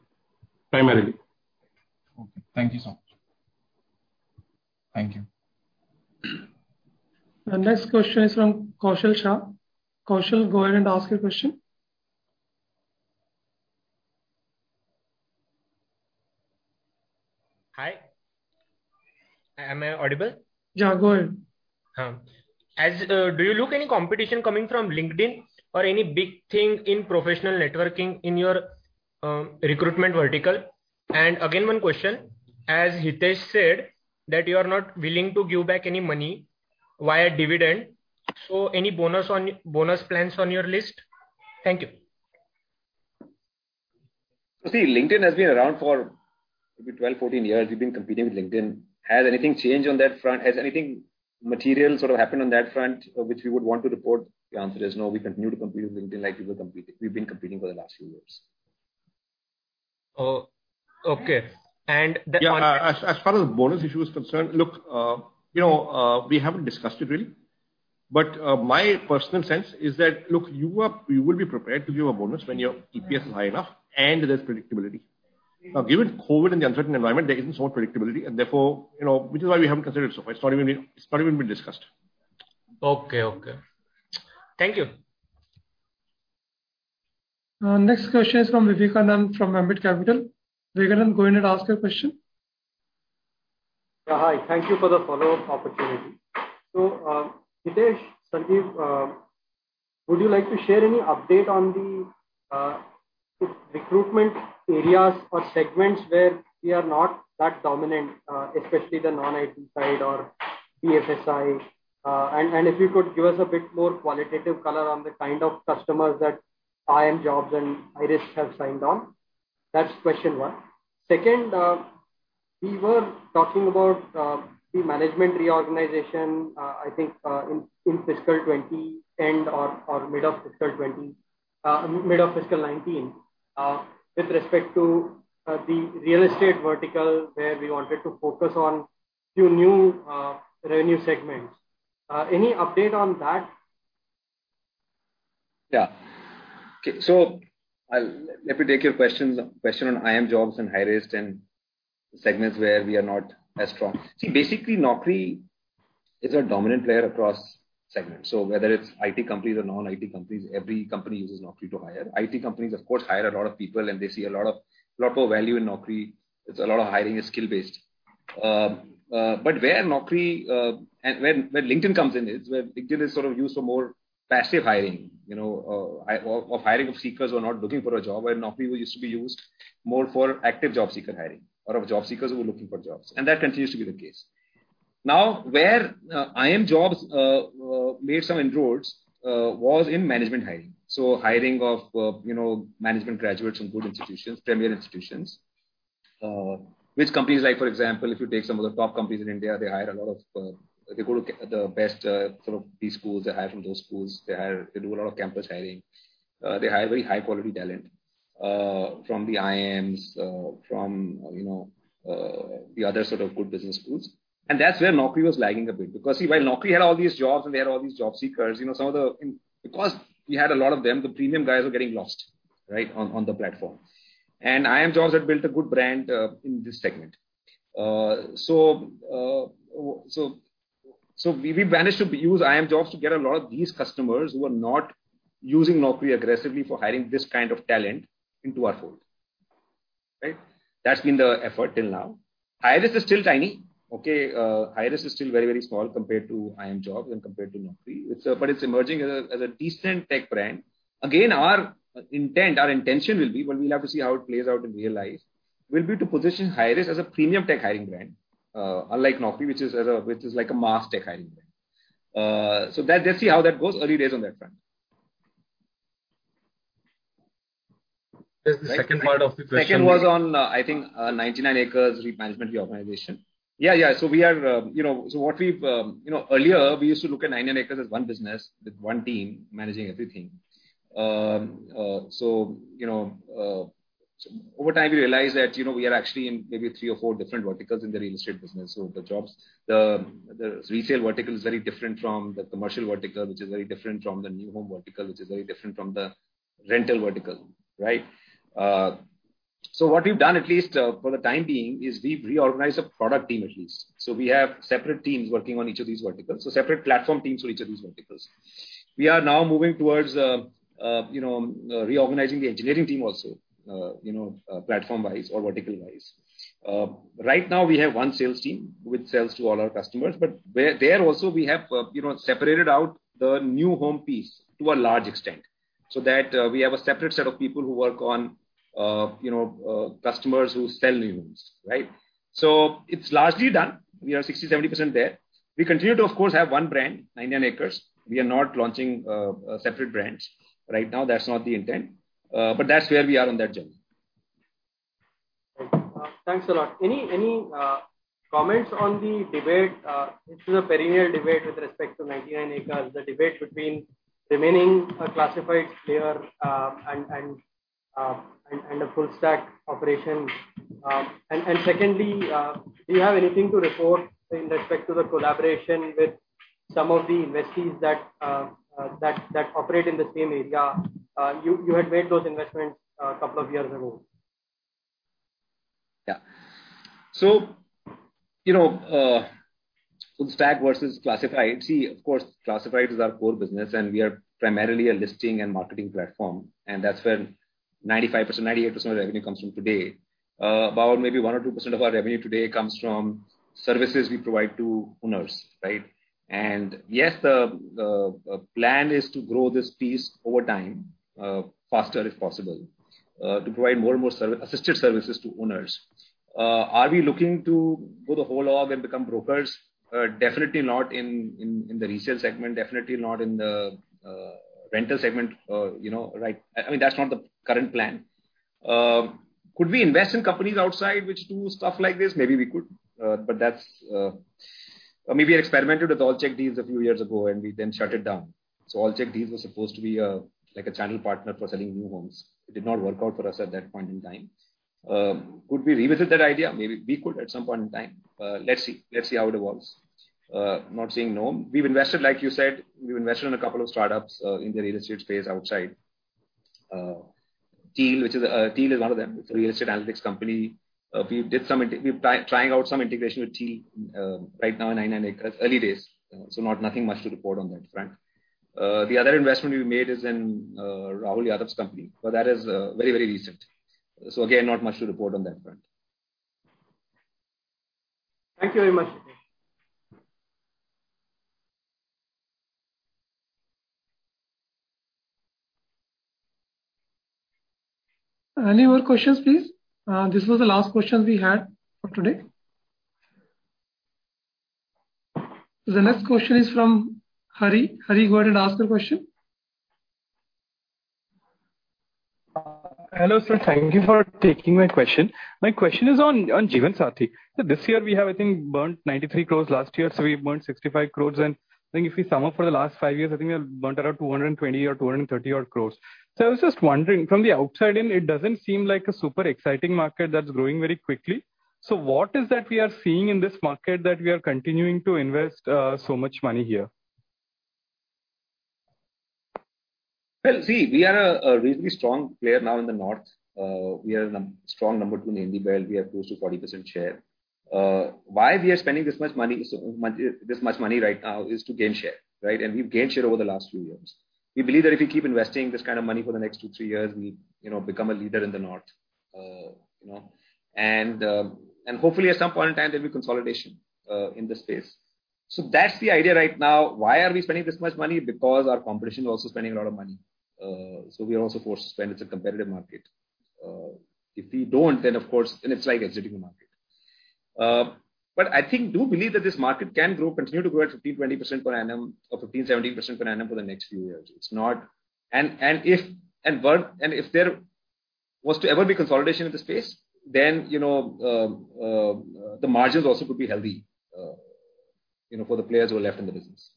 Speaker 8: primarily.
Speaker 12: Okay. Thank you, sir. Thank you.
Speaker 1: The next question is from Kaushal Shah. Kaushal, go ahead and ask your question.
Speaker 13: Hi, am I audible?
Speaker 1: Yeah, go ahead.
Speaker 13: Do you look any competition coming from LinkedIn or any big thing in professional networking in your recruitment vertical? Again, one question, as Hitesh said, that you are not willing to give back any money via dividend. Any bonus plans on your list? Thank you.
Speaker 3: LinkedIn has been around for maybe 12, 14 years. We've been competing with LinkedIn. Has anything changed on that front? Has anything material happened on that front which you would want to report? The answer is no. We continue to compete with LinkedIn like we were competing. We've been competing for the last few years.
Speaker 13: Okay.
Speaker 7: As far as the bonus issue is concerned, look, we haven't discussed it really, but my personal sense is that, look, you would be prepared to give a bonus when your EPS is high enough and there's predictability. Now, given COVID and the uncertain environment, there is no predictability. Therefore, which is why we haven't considered it so far. It's not even been discussed.
Speaker 13: Okay. Thank you.
Speaker 1: Next question is from Vivekanand Subbaraman from Ambit Capital. Vivekanand, go ahead and ask your question.
Speaker 9: Yeah, hi. Thank you for the follow-up opportunity. Hitesh, Sanjeev, would you like to share any update on the recruitment areas or segments where we are not that dominant, especially the non-IT side or BFSI? If you could give us a bit more qualitative color on the kind of customers that iimjobs and Hirist have signed on. That's question one. Second, we were talking about the management reorganization, I think in FY 2020 end or mid of FY 2019, with respect to the real estate vertical, where we wanted to focus on few new revenue segments. Any update on that?
Speaker 3: Yeah. Okay, let me take your question on iimjobs and Hirist and segments where we are not as strong. See, basically, Naukri is a dominant player across segments. Whether it's IT companies or non-IT companies, every company uses Naukri to hire. IT companies, of course, hire a lot of people, and they see a lot of value in Naukri. A lot of hiring is skill-based. Where LinkedIn comes in, is where LinkedIn is used for more passive hiring, of hiring seekers who are not looking for a job, where Naukri used to be used more for active job seeker hiring, a lot of job seekers who are looking for jobs. That continues to be the case. Where iimjobs made some inroads was in management hiring. Hiring of management graduates from good institutions, premier institutions. Which companies, for example, if you take some of the top companies in India, they hire a lot of the best from B-schools. They hire from those schools. They do a lot of campus hiring. They hire very high-quality talent from the IMs, from the other good business schools. That's where Naukri was lagging a bit. See, while Naukri had all these jobs and they had all these job seekers, because we had a lot of them, the premium guys were getting lost, right, on the platform. iimjobs had built a good brand in this segment. We managed to use iimjobs to get a lot of these customers who are not using Naukri aggressively for hiring this kind of talent into our fold. Right? That's been the effort till now. Hirist is still tiny, okay? Hirist is still very small compared to iimjobs and compared to Naukri. It's emerging as a decent tech brand. Again, our intention will be, but we'll have to see how it plays out in real life, will be to position Hirist as a premium tech hiring brand unlike Naukri, which is like a mass tech hiring brand. Let's see how that goes, early days on that front.
Speaker 9: The second part of the question.
Speaker 3: Second was on, I think, 99acres's management reorganization. Yeah. Earlier, we used to look at 99acres as one business with one team managing everything. Over time, we realized that we are actually in maybe three or four different verticals in the real estate business. The jobs, the retail vertical is very different from the commercial vertical, which is very different from the new home vertical, which is very different from the rental vertical. What we've done, at least for the time being, is we've reorganized the product team at least. We have separate teams working on each of these verticals. Separate platform teams for each of these verticals. We are now moving towards reorganizing the engineering team also, platform-wise or vertical-wise. Right now, we have one sales team which sells to all our customers, but there also, we have separated out the new home piece to a large extent, so that we have a separate set of people who work on customers who sell new homes. It's largely done. We are 60%, 70% there. We continue to, of course, have one brand, 99acres. We are not launching separate brands right now. That's not the intent. That's where we are on that journey.
Speaker 9: Thanks a lot. Any comments on the debate, this is a perennial debate with respect to 99acres, the debate between remaining a classified player and a full-stack operation? Secondly, do you have anything to report with respect to the collaboration with some of the investees that operate in the same area? You had made those investments a couple of years ago.
Speaker 3: Yeah. Full-stack versus classified. Of course, classified is our core business, and we are primarily a listing and marketing platform, and that's where 95%, 98% of our revenue comes from today. About maybe 100% of our revenue today comes from services we provide to owners. Yes, the plan is to grow this piece over time, faster if possible, to provide more and more assisted services to owners. Are we looking to go the whole hog and become brokers? Definitely not in the resale segment, definitely not in the rental segment. That's not the current plan. Could we invest in companies outside which do stuff like this? Maybe we could. We experimented with Allcheckdeals a few years ago, and we then shut it down. Allcheckdeals was supposed to be a channel partner for selling new homes. It did not work out for us at that point in time. Could we revisit that idea? Maybe we could at some point in time. Let's see how it evolves. Not saying no. We've invested, like you said, we've invested in a couple of startups in the real estate space outside. TEAL is one of them. It's a real estate analytics company. We're trying out some integration with TEAL right now in early days, so nothing much to report on that front. The other investment we made is in Rahul Yadav's company, but that is very recent. Again, not much to report on that front.
Speaker 1: Thank you very much. Any more questions, please? This was the last question we had for today. The next question is from Hari. Hari, go ahead and ask the question.
Speaker 14: Hello, sir. Thank you for taking my question. My question is on Jeevansathi. This year, we have, I think, burnt 93 crores. Last year, we burnt 65 crores. If we sum up for the last five years, I think we have burnt around 220 crores or 230 crores. I was just wondering, from the outside in, it doesn't seem like a super exciting market that's growing very quickly. What is it that we are seeing in this market that we are continuing to invest so much money here?
Speaker 3: Well, see, we are a really strong player now in the north. We are the strong number two in Mumbai. We have close to 40% share. Why we are spending this much money right now is to gain share. We've gained share over the last two years. We believe that if we keep investing this kind of money for the next two, three years, we become a leader in the north. Hopefully, at some point in time, there'll be consolidation in the space. That's the idea right now. Why are we spending this much money? Because our competition is also spending a lot of money. We are also forced to spend. It's a competitive market. If we don't, then of course, then it's like a sitting market. I do believe that this market can grow, continue to grow at 20% per annum or 15%, 17% per annum for the next few years. If there was to ever be consolidation in the space, then the margins also could be healthy for the players who are left in the business.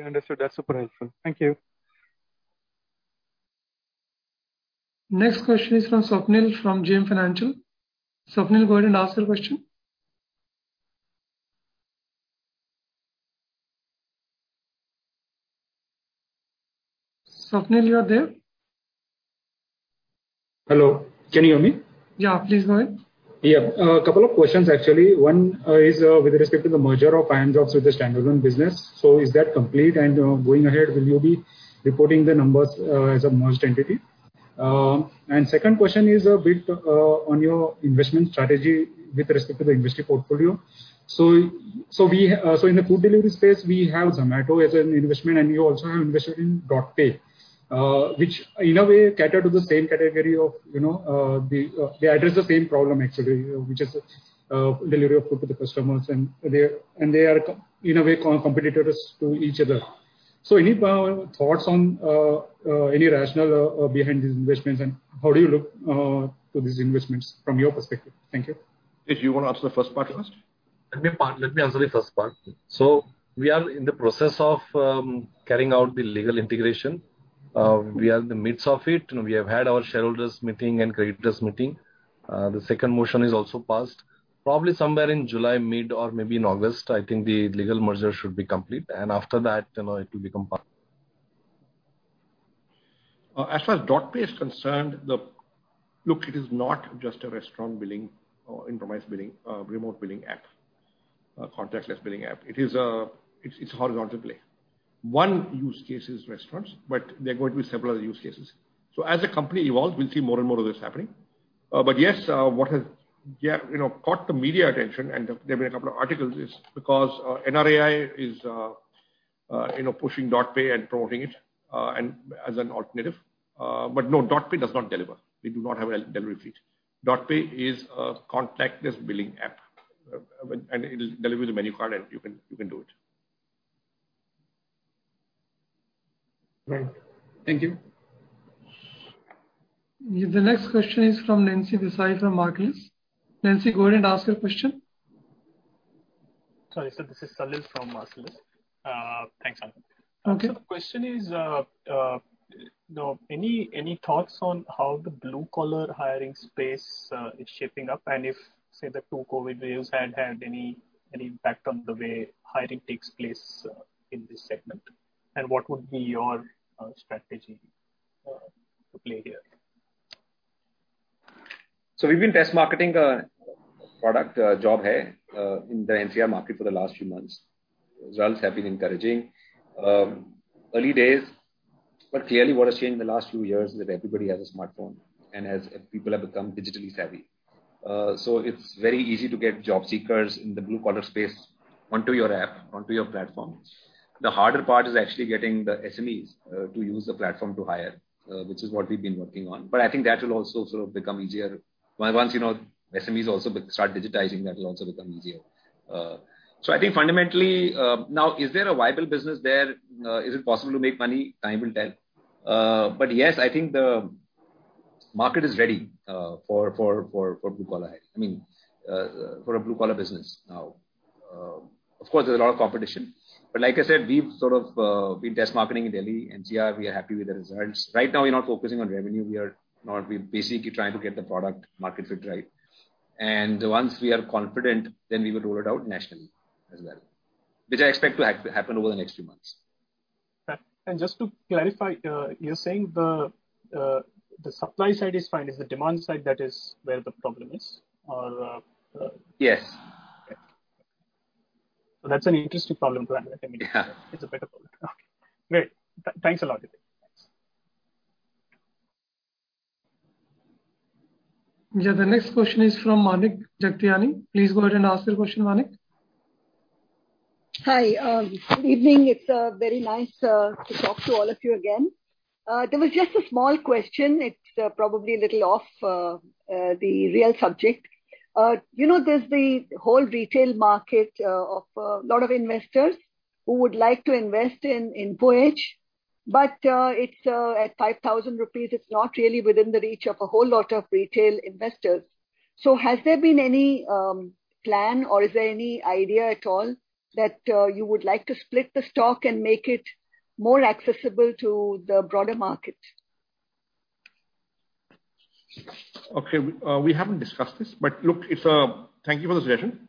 Speaker 14: Understood. That's super helpful. Thank you.
Speaker 1: Next question is from Swapnil from JM Financial. Swapnil, go ahead and ask your question. Swapnil, you are there?
Speaker 15: Hello, can you hear me?
Speaker 1: Yeah, please go ahead.
Speaker 15: Yeah. A couple of questions, actually. One is with respect to the merger of Finance with the standalone business. Is that complete? Going ahead, will you be reporting the numbers as a merged entity? Second question is a bit on your investment strategy with respect to the investing portfolio. In the food delivery space, we have Zomato as an investment, and you also have invested in DotPe. They address the same problem actually, which is delivery of food to the customers, and they are in a way competitors to each other. Any thoughts on any rationale behind these investments, and how do you look to these investments from your perspective? Thank you.
Speaker 7: Can you repeat the first part?
Speaker 8: Let me answer the first part. We are in the process of carrying out the legal integration. We are in the midst of it. We have had our shareholders meeting and creditors meeting. The second motion is also passed probably somewhere in July mid or maybe in August, I think the legal merger should be complete and after that it will become part.
Speaker 7: As far as DotPe is concerned, look, it is not just a restaurant billing, itemized billing, remote billing app, contactless billing app. It's horizontal play. One use case is restaurants, but there are going to be several use cases. As a company evolves, we'll see more and more of this happening. Yes, what has caught the media attention, and there have been a couple of articles, is because NRAI is pushing DotPe and promoting it as an alternative. No, DotPe does not deliver. We do not have a delivery fleet. DotPe is a contactless billing app, and it will deliver the menu card, and you can do it.
Speaker 15: Thank you.
Speaker 1: Thank you. The next question is from Nancy Desai from Marcellus. Nancy, go ahead and ask your question.
Speaker 16: Sorry, sir, this is Salil from Marcellus. Thanks a lot.
Speaker 1: Okay.
Speaker 16: The question is, any thoughts on how the blue-collar hiring space is shaping up? If, say, the two COVID waves had any impact on the way hiring takes place in this segment, and what would be your strategy to play there?
Speaker 3: We've been test marketing product JobHai in the NCR market for the last few months. Results have been encouraging. Early days, but clearly what has changed in the last few years is that everybody has a smartphone, and as people have become digitally savvy. It's very easy to get job seekers in the blue-collar space onto your app, onto your platform. The harder part is actually getting the SMEs to use the platform to hire, which is what we've been working on. I think that will also sort of become easier once SMEs also start digitizing, that will also become easier. I think fundamentally, now, is there a viable business there? Is it possible to make money? Time will tell. Yes, I think the market is ready for blue-collar business now. Of course, there's a lot of competition. Like I said, we've been test marketing in Delhi, NCR. We are happy with the results. Right now, we're not focusing on revenue. We are basically trying to get the product market fit right. Once we are confident, then we will roll it out nationally as well, which I expect to happen over the next few months.
Speaker 16: Just to clarify, you're saying the supply side is fine, is the demand side that is where the problem is?
Speaker 3: Yes.
Speaker 16: That's an interesting problem to have. It's a better problem. Great. Thanks a lot.
Speaker 1: The next question is from Manik Jagtiani. Please go ahead and ask your question, Manik.
Speaker 17: Hi. Good evening. It's very nice to talk to all of you again. There was just a small question. It's probably a little off the real subject. There's the whole retail market of a lot of investors who would like to invest in Info Edge, but at 5,000 rupees, it's not really within the reach of a whole lot of retail investors. Has there been any plan or is there any idea at all that you would like to split the stock and make it more accessible to the broader market?
Speaker 7: Okay. We haven't discussed this, look, thank you for the suggestion.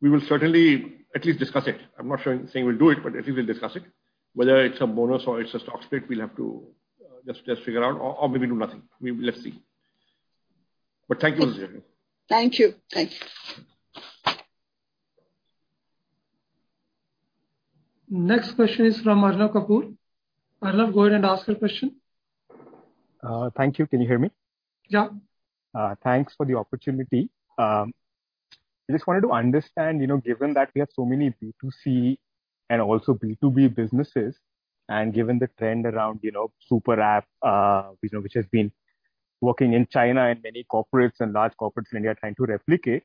Speaker 7: We will certainly at least discuss it. I'm not saying we'll do it, at least we'll discuss it. Whether it's a bonus or it's a stock split, we'll have to just figure out or maybe do nothing. Maybe let's see. Thank you for the suggestion.
Speaker 17: Thank you.
Speaker 1: Next question is from Arnav Kapoor. Arnav, go ahead and ask your question.
Speaker 18: Thank you. Can you hear me?
Speaker 1: Yeah.
Speaker 18: Thanks for the opportunity. I just wanted to understand, given that we have so many B2C and also B2B businesses, and given the trend around super app, which has been working in China and many corporates and large corporates in India are trying to replicate.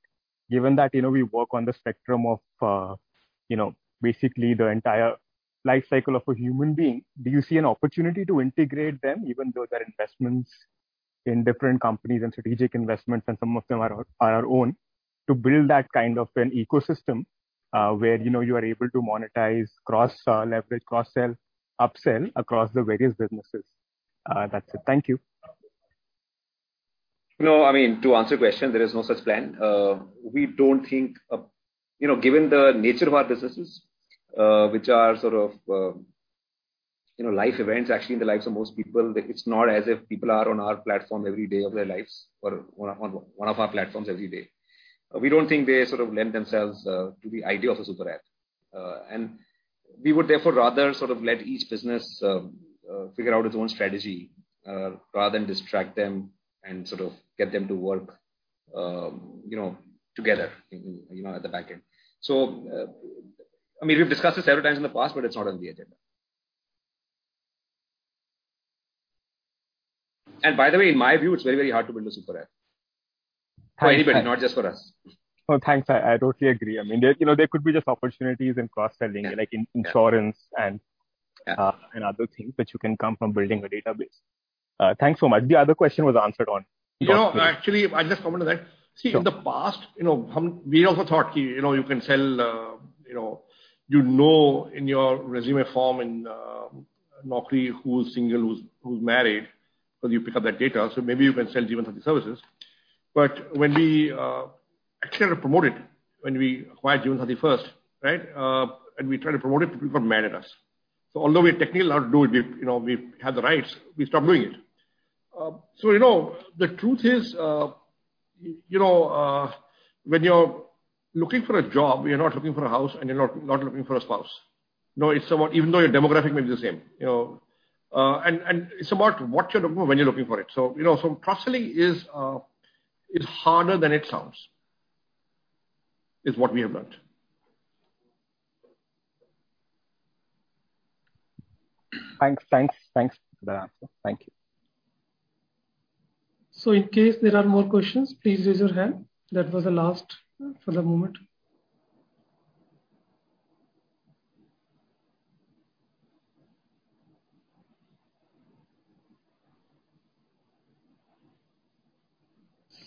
Speaker 18: Given that we work on the spectrum of basically the entire life cycle of a human being, do you see an opportunity to integrate them, even though they're investments in different companies and strategic investments and some of them are our own, to build that kind of an ecosystem where you are able to monetize cross-sell, upsell across the various businesses? That's it. Thank you.
Speaker 3: No, to answer your question, there is no such plan. Given the nature of our businesses, which are sort of life events, actually, in the lives of most people, it's not as if people are on our platform every day of their lives or one of our platforms every day. We don't think they lend themselves to the idea of a super app. We would therefore rather let each business figure out its own strategy rather than distract them and get them to work together at the back end. We've discussed it several times in the past, but it's not on the agenda. By the way, in my view, it's very, very hard to build a super app. Anyway, not just for us.
Speaker 18: Thanks. I totally agree. There could be just opportunities in cross-selling, like in insurance and other things that you can come from building a database. Thanks so much. The other question was answered on-
Speaker 7: Actually, I just wanted to add. See, in the past, we also thought you can sell, you know in your resume form in Naukri who's single, who's married, because you pick up that data, maybe you can sell given services. When we actually had to promote it, when we hired June 31st. We tried to promote it, people got mad at us. Although we technically are doing it, we have the rights, we stopped doing it. The truth is when you're looking for a job, you're not looking for a house and you're not looking for a spouse. Even though your demographic may be the same. It's about what you're doing when you're looking for it. Trustingly is harder than it sounds, is what we have learned.
Speaker 18: Thanks for that answer. Thank you.
Speaker 1: In case there are more questions, please raise your hand. That was the last for the moment.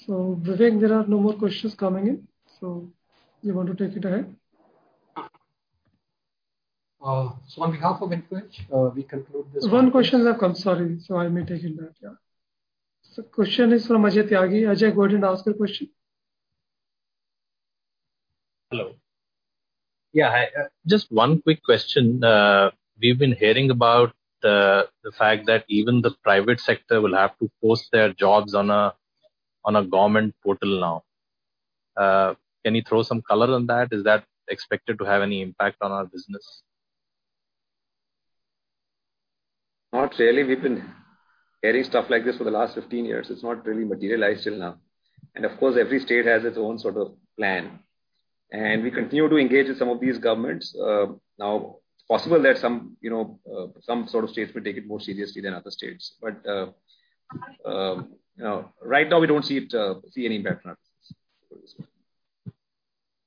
Speaker 1: Vivek, there are no more questions coming in, so do you want to take it ahead?
Speaker 2: On behalf of Info Edge, we conclude.
Speaker 1: One question has come. Sorry. I may take it back, yeah. Question is from Ajay Tyagi. Ajay, go ahead and ask your question.
Speaker 19: Hello. Yeah, just one quick question. We've been hearing about the fact that even the private sector will have to post their jobs on a government portal now. Can you throw some color on that? Is that expected to have any impact on our business?
Speaker 3: Not really. We've been hearing stuff like this for the last 15 years. It's not really materialized till now. Of course, every state has its own sort of plan. We continue to engage with some of these governments. Now, it's possible that some states may take it more seriously than other states. Right now, we don't see any impact on our business.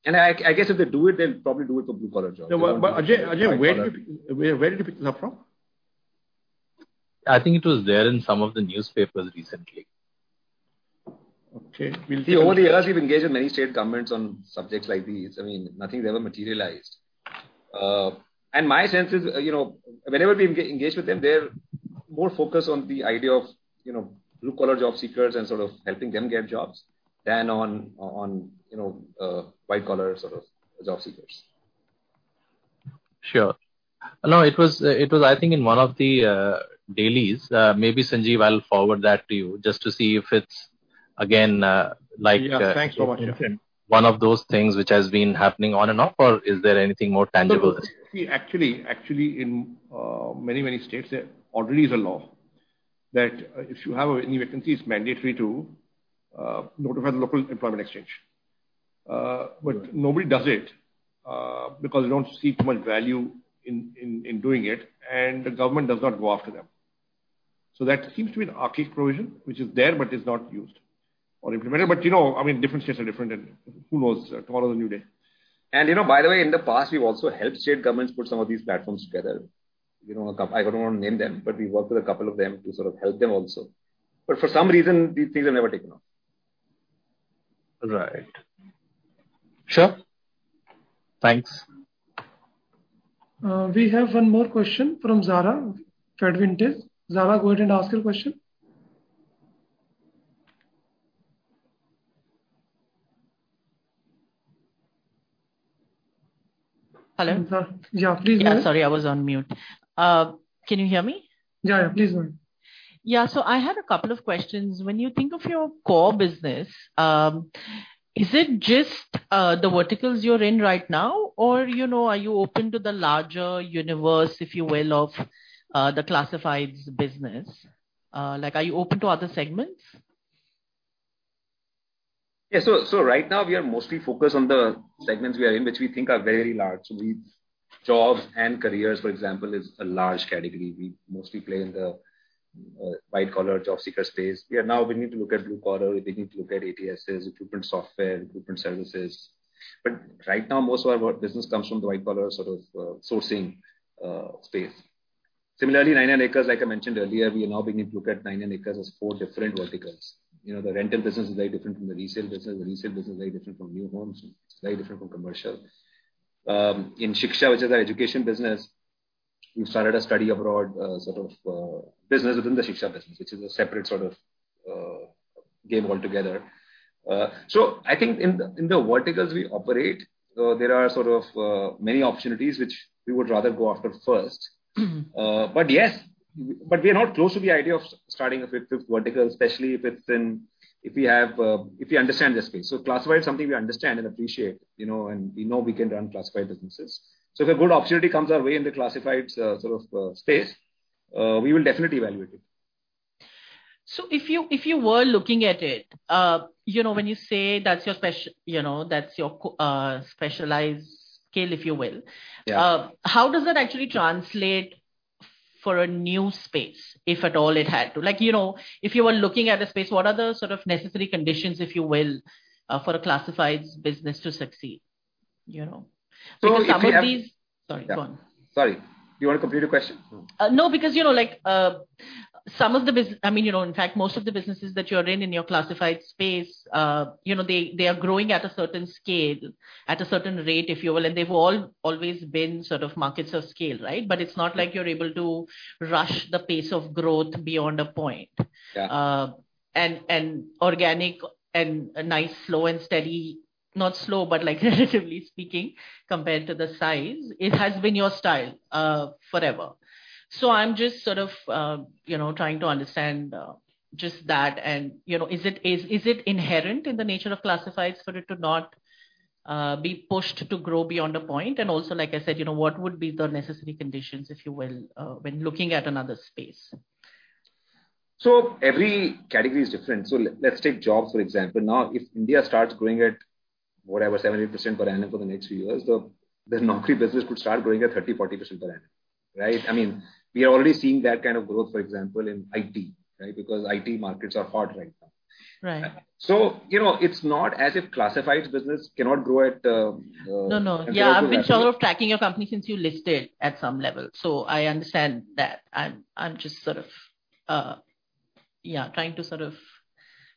Speaker 3: I guess if they do it, they'll probably do it with blue collar jobs.
Speaker 7: Ajay, where did it come from?
Speaker 19: I think it was there in some of the newspapers recently.
Speaker 7: Okay.
Speaker 3: Over the years, we've engaged with many state governments on subjects like these. Nothing ever materialized. My sense is, whenever we engage with them, they're more focused on the idea of blue-collar job seekers and helping them get jobs than on white-collar job seekers.
Speaker 19: Sure. No, it was, I think, in one of the dailies. Maybe, Sanjeev, I'll forward that to you just to see if it's.
Speaker 7: Yeah, thanks so much.
Speaker 19: One of those things which has been happening on and off, or is there anything more tangible?
Speaker 7: Actually, in many states, there already is a law that if you have any vacancy, it's mandatory to notify the local employment exchange. Nobody does it because they don't see much value in doing it, and the government does not go after them. That seems to be an archaic provision, which is there but is not used or implemented. Different states are different, and who knows? Tomorrow is a new day.
Speaker 3: By the way, in the past, we also helped state governments put some of these platforms together. I don't want to name them, but we worked with a couple of them to help them also. For some reason, these things are never taken up.
Speaker 19: Right. Sure. Thanks.
Speaker 1: We have one more question from Zara at Vantage. Zara, go ahead and ask your question.
Speaker 20: Hello.
Speaker 1: Yeah, please go on.
Speaker 20: Sorry, I was on mute. Can you hear me?
Speaker 1: Yeah. Please go on.
Speaker 20: I have a couple questions. When you think of your core business, is it just the verticals you're in right now, or are you open to the larger universe, if you will, of the classifieds business? Are you open to other segments?
Speaker 7: Yeah, right now, we are mostly focused on the segments we are in, which we think are very large. Jobs and careers, for example, is a large category. We mostly play in the white-collar job seeker space. Yeah, now we need to look at blue collar, we need to look at ATSs, recruitment software, recruitment services. Right now, most of our business comes from the white collar sourcing space. Similarly, 99acres, like I mentioned earlier, we are now beginning to look at 99acres as four different verticals. The rental business is very different from the resale business. Resale business is very different from new homes. It is very different from commercial. In Shiksha.com, which is our education business, we started a study abroad business within the Shiksha.com business, which is a separate game altogether. I think in the verticals we operate, there are many opportunities which we would rather go after first. Yes, but we are not closed to the idea of starting a fifth vertical, especially if we understand the space. Classified is something we understand and appreciate, and we know we can run classified businesses. If a good opportunity comes our way in the classifieds space, we will definitely evaluate it.
Speaker 20: If you were looking at it, when you say that's your specialized skill, if you will.
Speaker 3: Yeah.
Speaker 20: How does that actually translate for a new space, if at all it had to? If you are looking at a space, what are the sort of necessary conditions, if you will, for a classifieds business to succeed?
Speaker 3: Sorry, you want to repeat the question?
Speaker 20: No, in fact, most of the businesses that you're in your classified space, they are growing at a certain scale, at a certain rate, if you will, and they've all always been sort of markets of scale, right? It's not like you're able to rush the pace of growth beyond a point.
Speaker 3: Yeah.
Speaker 20: Organic and a nice slow and steady, not slow, but relatively speaking, compared to the size, it has been your style forever. I'm just sort of trying to understand just that and is it inherent in the nature of classifieds for it to not be pushed to grow beyond a point? Also, like I said, what would be the necessary conditions, if you will, when looking at another space?
Speaker 3: Every category is different. Let's take jobs, for example. If India starts growing at, whatever, 70% per annum for the next few years, the Naukri business would start growing at 30%-40% per annum, right? We are already seeing that kind of growth, for example, in IT. IT markets are hot right now.
Speaker 20: Right.
Speaker 3: It's not as if classifieds business cannot grow.
Speaker 20: No. I've been sort of tracking your company since you listed at some level. I understand that. I'm just trying to sort of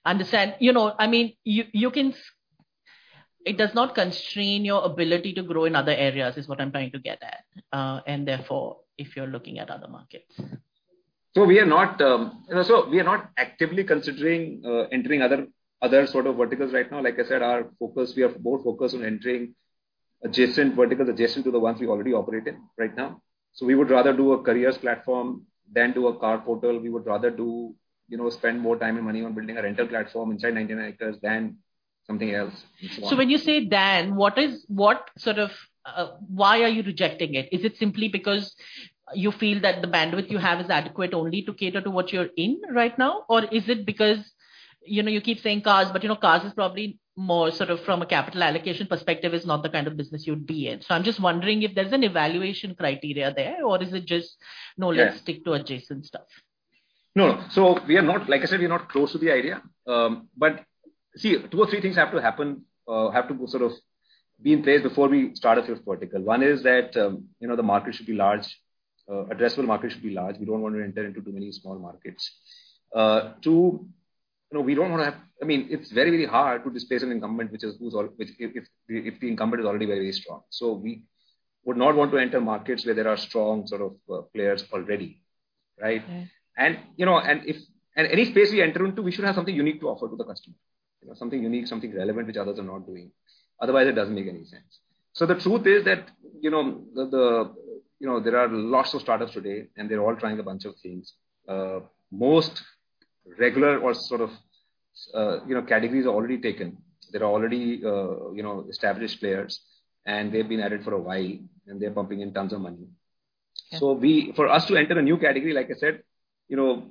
Speaker 20: understand. It does not constrain your ability to grow in other areas, is what I'm trying to get at, and therefore, if you're looking at other markets.
Speaker 3: We are not actively considering entering other sort of verticals right now. Like I said, our focus, we are more focused on entering adjacent verticals, adjacent to the ones we already operate in right now. We would rather do a careers platform than do a car portal. We would rather spend more time and money on building a rental platform inside 99acres than something else.
Speaker 20: When you say then, why are you rejecting it? Is it simply because you feel that the bandwidth you have is adequate only to cater to what you're in right now? Is it because, you keep saying cars, but cars is probably more sort of from a capital allocation perspective is not the kind of business you'd be in. I'm just wondering if there's an evaluation criteria there or is it just, no, let's stick to adjacent stuff.
Speaker 3: No. Like I said, we're not closed to the idea. Two or three things have to happen, have to sort of be in place before we start a fifth vertical. One is that the addressable market should be large. We don't want to enter into too many small markets. Two, it's very hard to displace an incumbent if the incumbent is already very strong. We would not want to enter markets where there are strong players already, right? Any space we enter into, we should have something unique to offer to the customer. Something unique, something relevant which others are not doing. Otherwise, it doesn't make any sense. The truth is that there are lots of startups today, and they're all trying a bunch of things. Most regular or sort of categories are already taken. They're already established players, and they've been at it for a while, and they're pumping in tons of money.
Speaker 20: Yeah.
Speaker 3: For us to enter a new category, like I said, the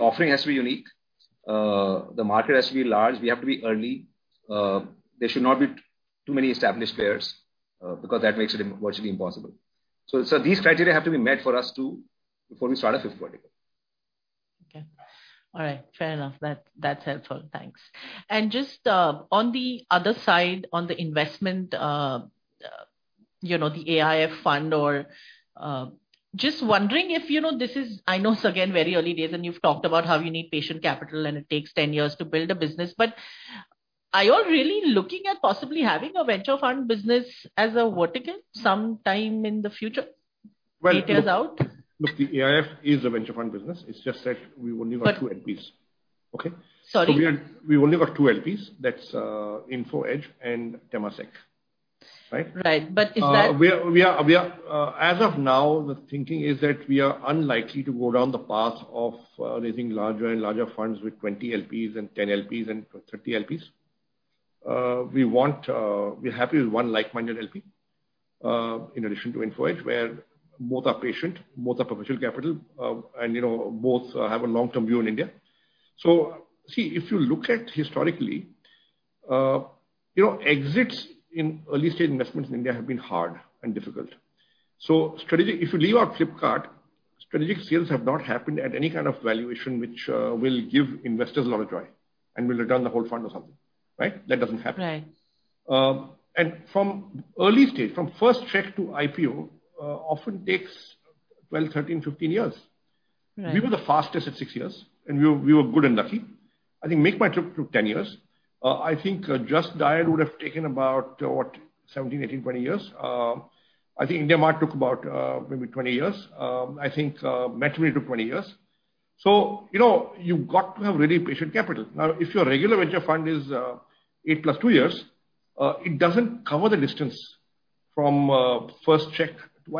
Speaker 3: offering has to be unique, the market has to be large, we have to be early. There should not be too many established players because that makes it virtually impossible. These criteria have to be met before we start a fifth vertical.
Speaker 20: Okay. All right. Fair enough. That's helpful. Thanks. Just on the other side, on the investment, the AIF fund, just wondering if this is, I know this again, very early days, and you've talked about how you need patient capital and it takes 10 years to build a business, are you all really looking at possibly having a venture fund business as a vertical sometime in the future? Take us out.
Speaker 7: The AIF is a venture fund business. It's just that we've only got two LPs.
Speaker 20: Sorry?
Speaker 7: We've only got two LPs. That's Info Edge and Temasek.
Speaker 20: Right.
Speaker 3: As of now, the thinking is that we are unlikely to go down the path of raising larger and larger funds with 20 LPs and 10 LPs and 50 LPs. We're happy with one like-minded LP, in addition to Info Edge, where both are patient, both are perpetual capital, and both have a long-term view in India. If you look at historically, exits in early-stage investments in India have been hard and difficult. If you leave out Flipkart, strategic sales have not happened at any kind of valuation which will give investors a lot of joy and will return the whole fund or something, right? That doesn't happen.
Speaker 20: Right.
Speaker 7: From early stage, from first check to IPO, often takes 12, 13, 15 years.
Speaker 20: Right.
Speaker 7: We were the fastest at six years, and we were good and lucky. I think MakeMyTrip took 10 years. I think JustDial would have taken about 17, 18, 20 years. I think IndiaMART took about maybe 20 years. I think Matrimony took 20 years. You've got to have really patient capital. If your regular venture fund is 8+2 years, it doesn't cover the distance from first check to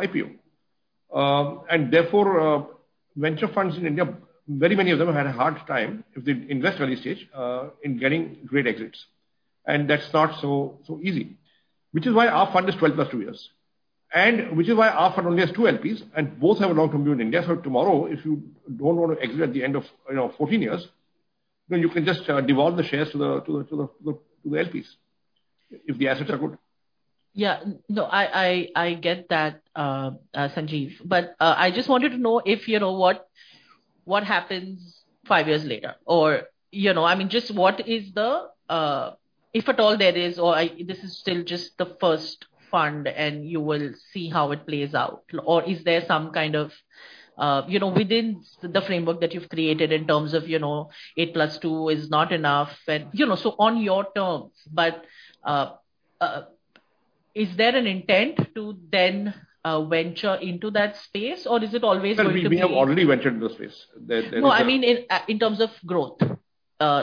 Speaker 7: IPO. Therefore, venture funds in India, very many of them have had a hard time, if they invest early stage, in getting great exits. That's not so easy. Which is why our fund is 12+2 years. Which is why our fund only has two LPs, and both have a long-term view in India. Tomorrow if you don't want to exit at the end of 14 years, you can just devolve the shares to the LPs, if the assets are good
Speaker 20: No, I get that, Sanjeev. I just wanted to know what happens five years later. Just if at all there is or this is still just the first fund, and you will see how it plays out. Is there some kind of within the framework that you've created in terms of 8+2 is not enough, on your terms. Is there an intent to then venture into that space?
Speaker 7: We have already ventured into the space.
Speaker 20: No, I mean in terms of growth.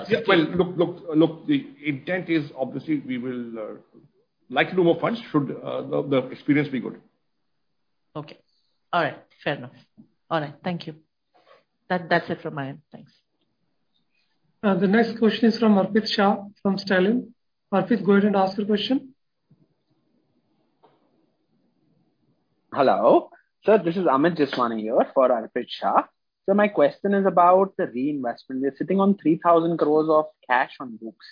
Speaker 7: Yes. Well, look, the intent is obviously we will like to do more funds should the experience be good.
Speaker 20: Okay. All right. Fair enough. All right. Thank you. That's it from my end. Thanks.
Speaker 1: The next question is from Arpit Shah from Sterling. Arpit, go ahead and ask your question.
Speaker 21: Hello. Sir, this is Amit Jaiswal here for Arpit Shah. My question is about the reinvestment. We're sitting on 3,000 crores of cash on books,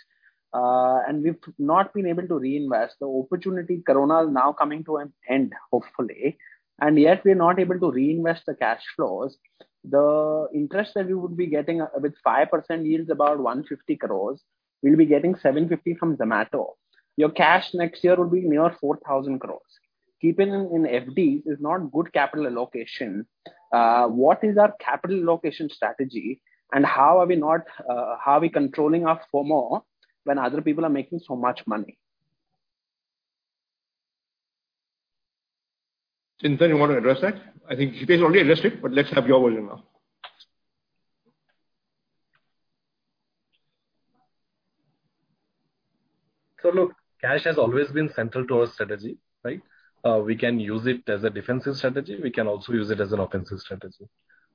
Speaker 21: and we've not been able to reinvest. The opportunity corona now coming to an end, hopefully, and yet we're not able to reinvest the cash flows. The interest that we would be getting with 5% yields about 150 crores. We'll be getting 750 from Zomato. Your cash next year will be near 4,000 crores. Keeping it in FDs is not good capital allocation. What is our capital allocation strategy and how are we controlling our FOMO when other people are making so much money?
Speaker 7: Chintan, you want to address that? I think Hitesh already addressed it, but let's have your view on that.
Speaker 8: Look, cash has always been central to our strategy. We can use it as a defensive strategy. We can also use it as an offensive strategy.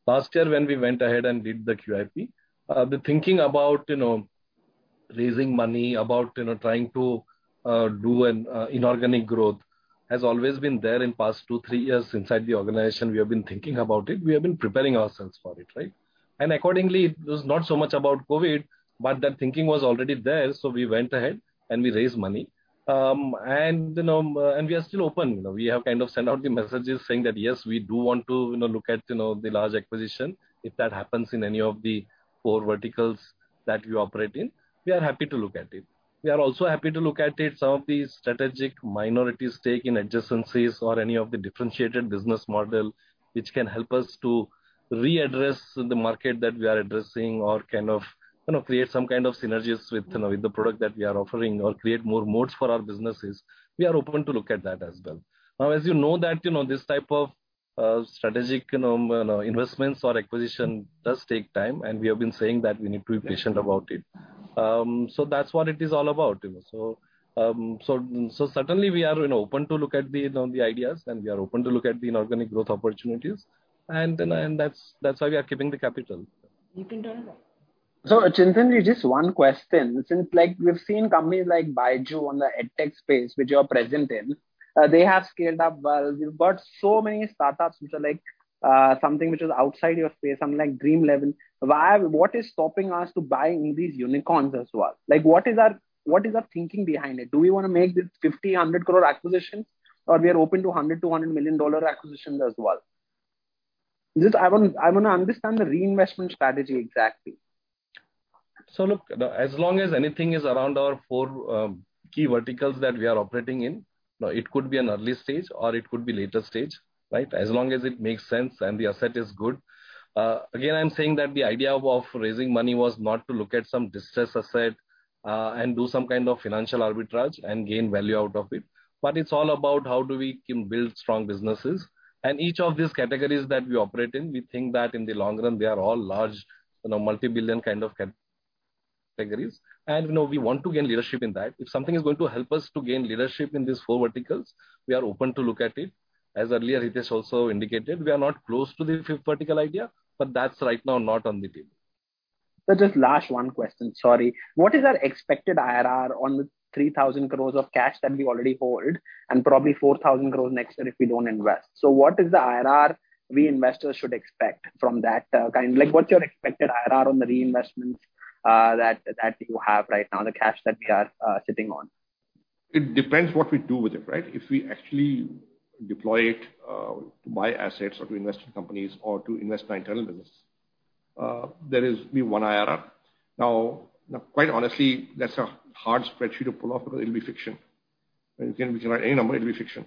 Speaker 8: Last year when we went ahead and did the QIP, the thinking about raising money, about trying to do an inorganic growth has always been there in past two, three years inside the organization. We have been thinking about it. We have been preparing ourselves for it. Accordingly, it was not so much about COVID, but that thinking was already there. We went ahead and we raised money. We are still open. We have sent out the messages saying that, yes, we do want to look at the large acquisition. If that happens in any of the core verticals that we operate in, we are happy to look at it. We are also happy to look at some of the strategic minority stake in adjacencies or any of the differentiated business model which can help us to readdress the market that we are addressing or create some kind of synergies with the product that we are offering or create more moats for our businesses. We are open to look at that as well. As you know that this type of strategic investments or acquisition does take time, and we have been saying that we need to be patient about it. That's what it is all about. Certainly, we are open to look at the ideas, and we are open to look at the inorganic growth opportunities. That's how we are keeping the capital.
Speaker 1: You can turn it off.
Speaker 21: Chintan, just one question. Since we've seen companies like BYJU'S on the EdTech space, which you are present in, they have scaled up well. We've got so many startups which are something which is outside your space, something like Dream11. What is stopping us to buying any of these unicorns as well? What is the thinking behind it? Do we want to make this 50 crore, 100 crore acquisition, or we are open to INR 100 million-INR 100 million acquisitions as well? I want to understand the reinvestment strategy exactly.
Speaker 8: Look, as long as anything is around our four key verticals that we are operating in, it could be an early stage or it could be later stage. As long as it makes sense and the asset is good. Again, I'm saying that the idea of raising money was not to look at some distressed asset and do some kind of financial arbitrage and gain value out of it. It's all about how do we can build strong businesses. Each of these categories that we operate in, we think that in the long run, they are all large multi-billion kind of categories. We want to gain leadership in that. If something is going to help us to gain leadership in these four verticals, we are open to look at it. As earlier Hitesh also indicated, we are not close to the fifth vertical idea, but that's right now not on the table.
Speaker 21: Sir, just last one question. Sorry. What is our expected IRR on the 3,000 crore of cash that we already hold and probably 4,000 crore next year if we don't invest? What is the IRR we investors should expect from that? What's your expected IRR on the reinvestments that you have right now, the cash that we are sitting on?
Speaker 8: It depends what we do with it. If we actually deploy it to buy assets or to invest in companies or to invest by internal business, that will be 1 IRR. Quite honestly, that's a hard spreadsheet to pull off because it will be fiction. You can write any number, it'll be fiction.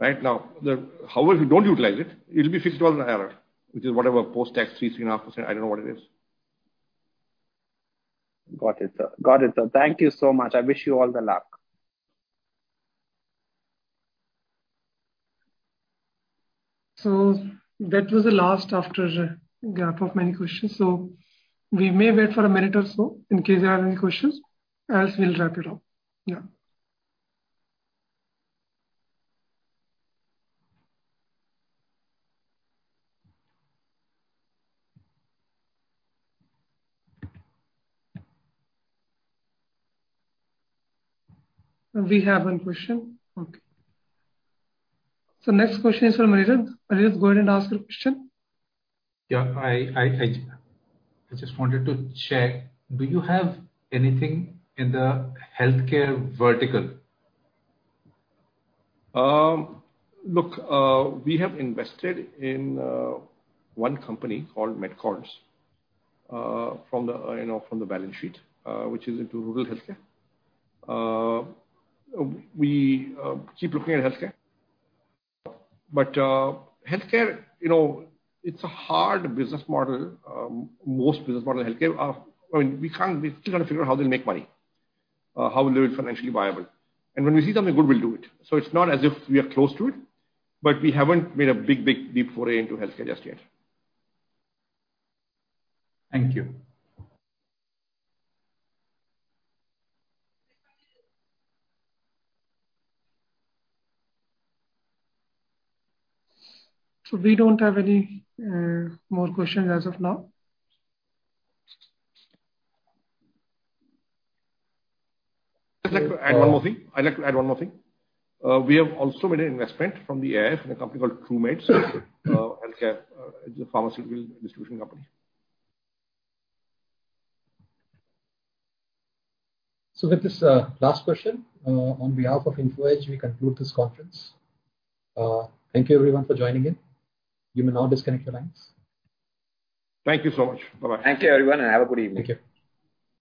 Speaker 8: However, if you don't utilize it'll be fixed on IRR, which is whatever post-tax 3.5%, I don't know what it is.
Speaker 21: Got it, sir. Thank you so much. I wish you all the luck.
Speaker 1: That was the last after gap of many questions. We may wait for a minute or so in case you have any questions, else we'll wrap it up. Yeah. We have one question. Okay. Next question is from Mohit. Mohit, go ahead and ask your question.
Speaker 22: Yeah. I just wanted to check, do you have anything in the healthcare vertical?
Speaker 8: Look, we have invested in one company called MedCords, from the balance sheet, which is into rural healthcare. We keep looking at healthcare. Healthcare, it's a hard business model. Most business models in healthcare, we're still trying to figure out how they make money, how will it be financially viable. When we see something good, we'll do it. It's not as if we are close to it, but we haven't made a big foray into healthcare just yet.
Speaker 22: Thank you.
Speaker 1: We don't have any more questions as of now.
Speaker 8: I'd like to add one more thing. We have also made an investment from the AIF in a company called TrueMeds. It's a pharmaceutical distribution company.
Speaker 1: With this last question, on behalf of Info Edge, we conclude this conference. Thank you everyone for joining in. You may now disconnect your lines.
Speaker 8: Thank you so much. Bye-bye.
Speaker 21: Thank you everyone, and have a good evening.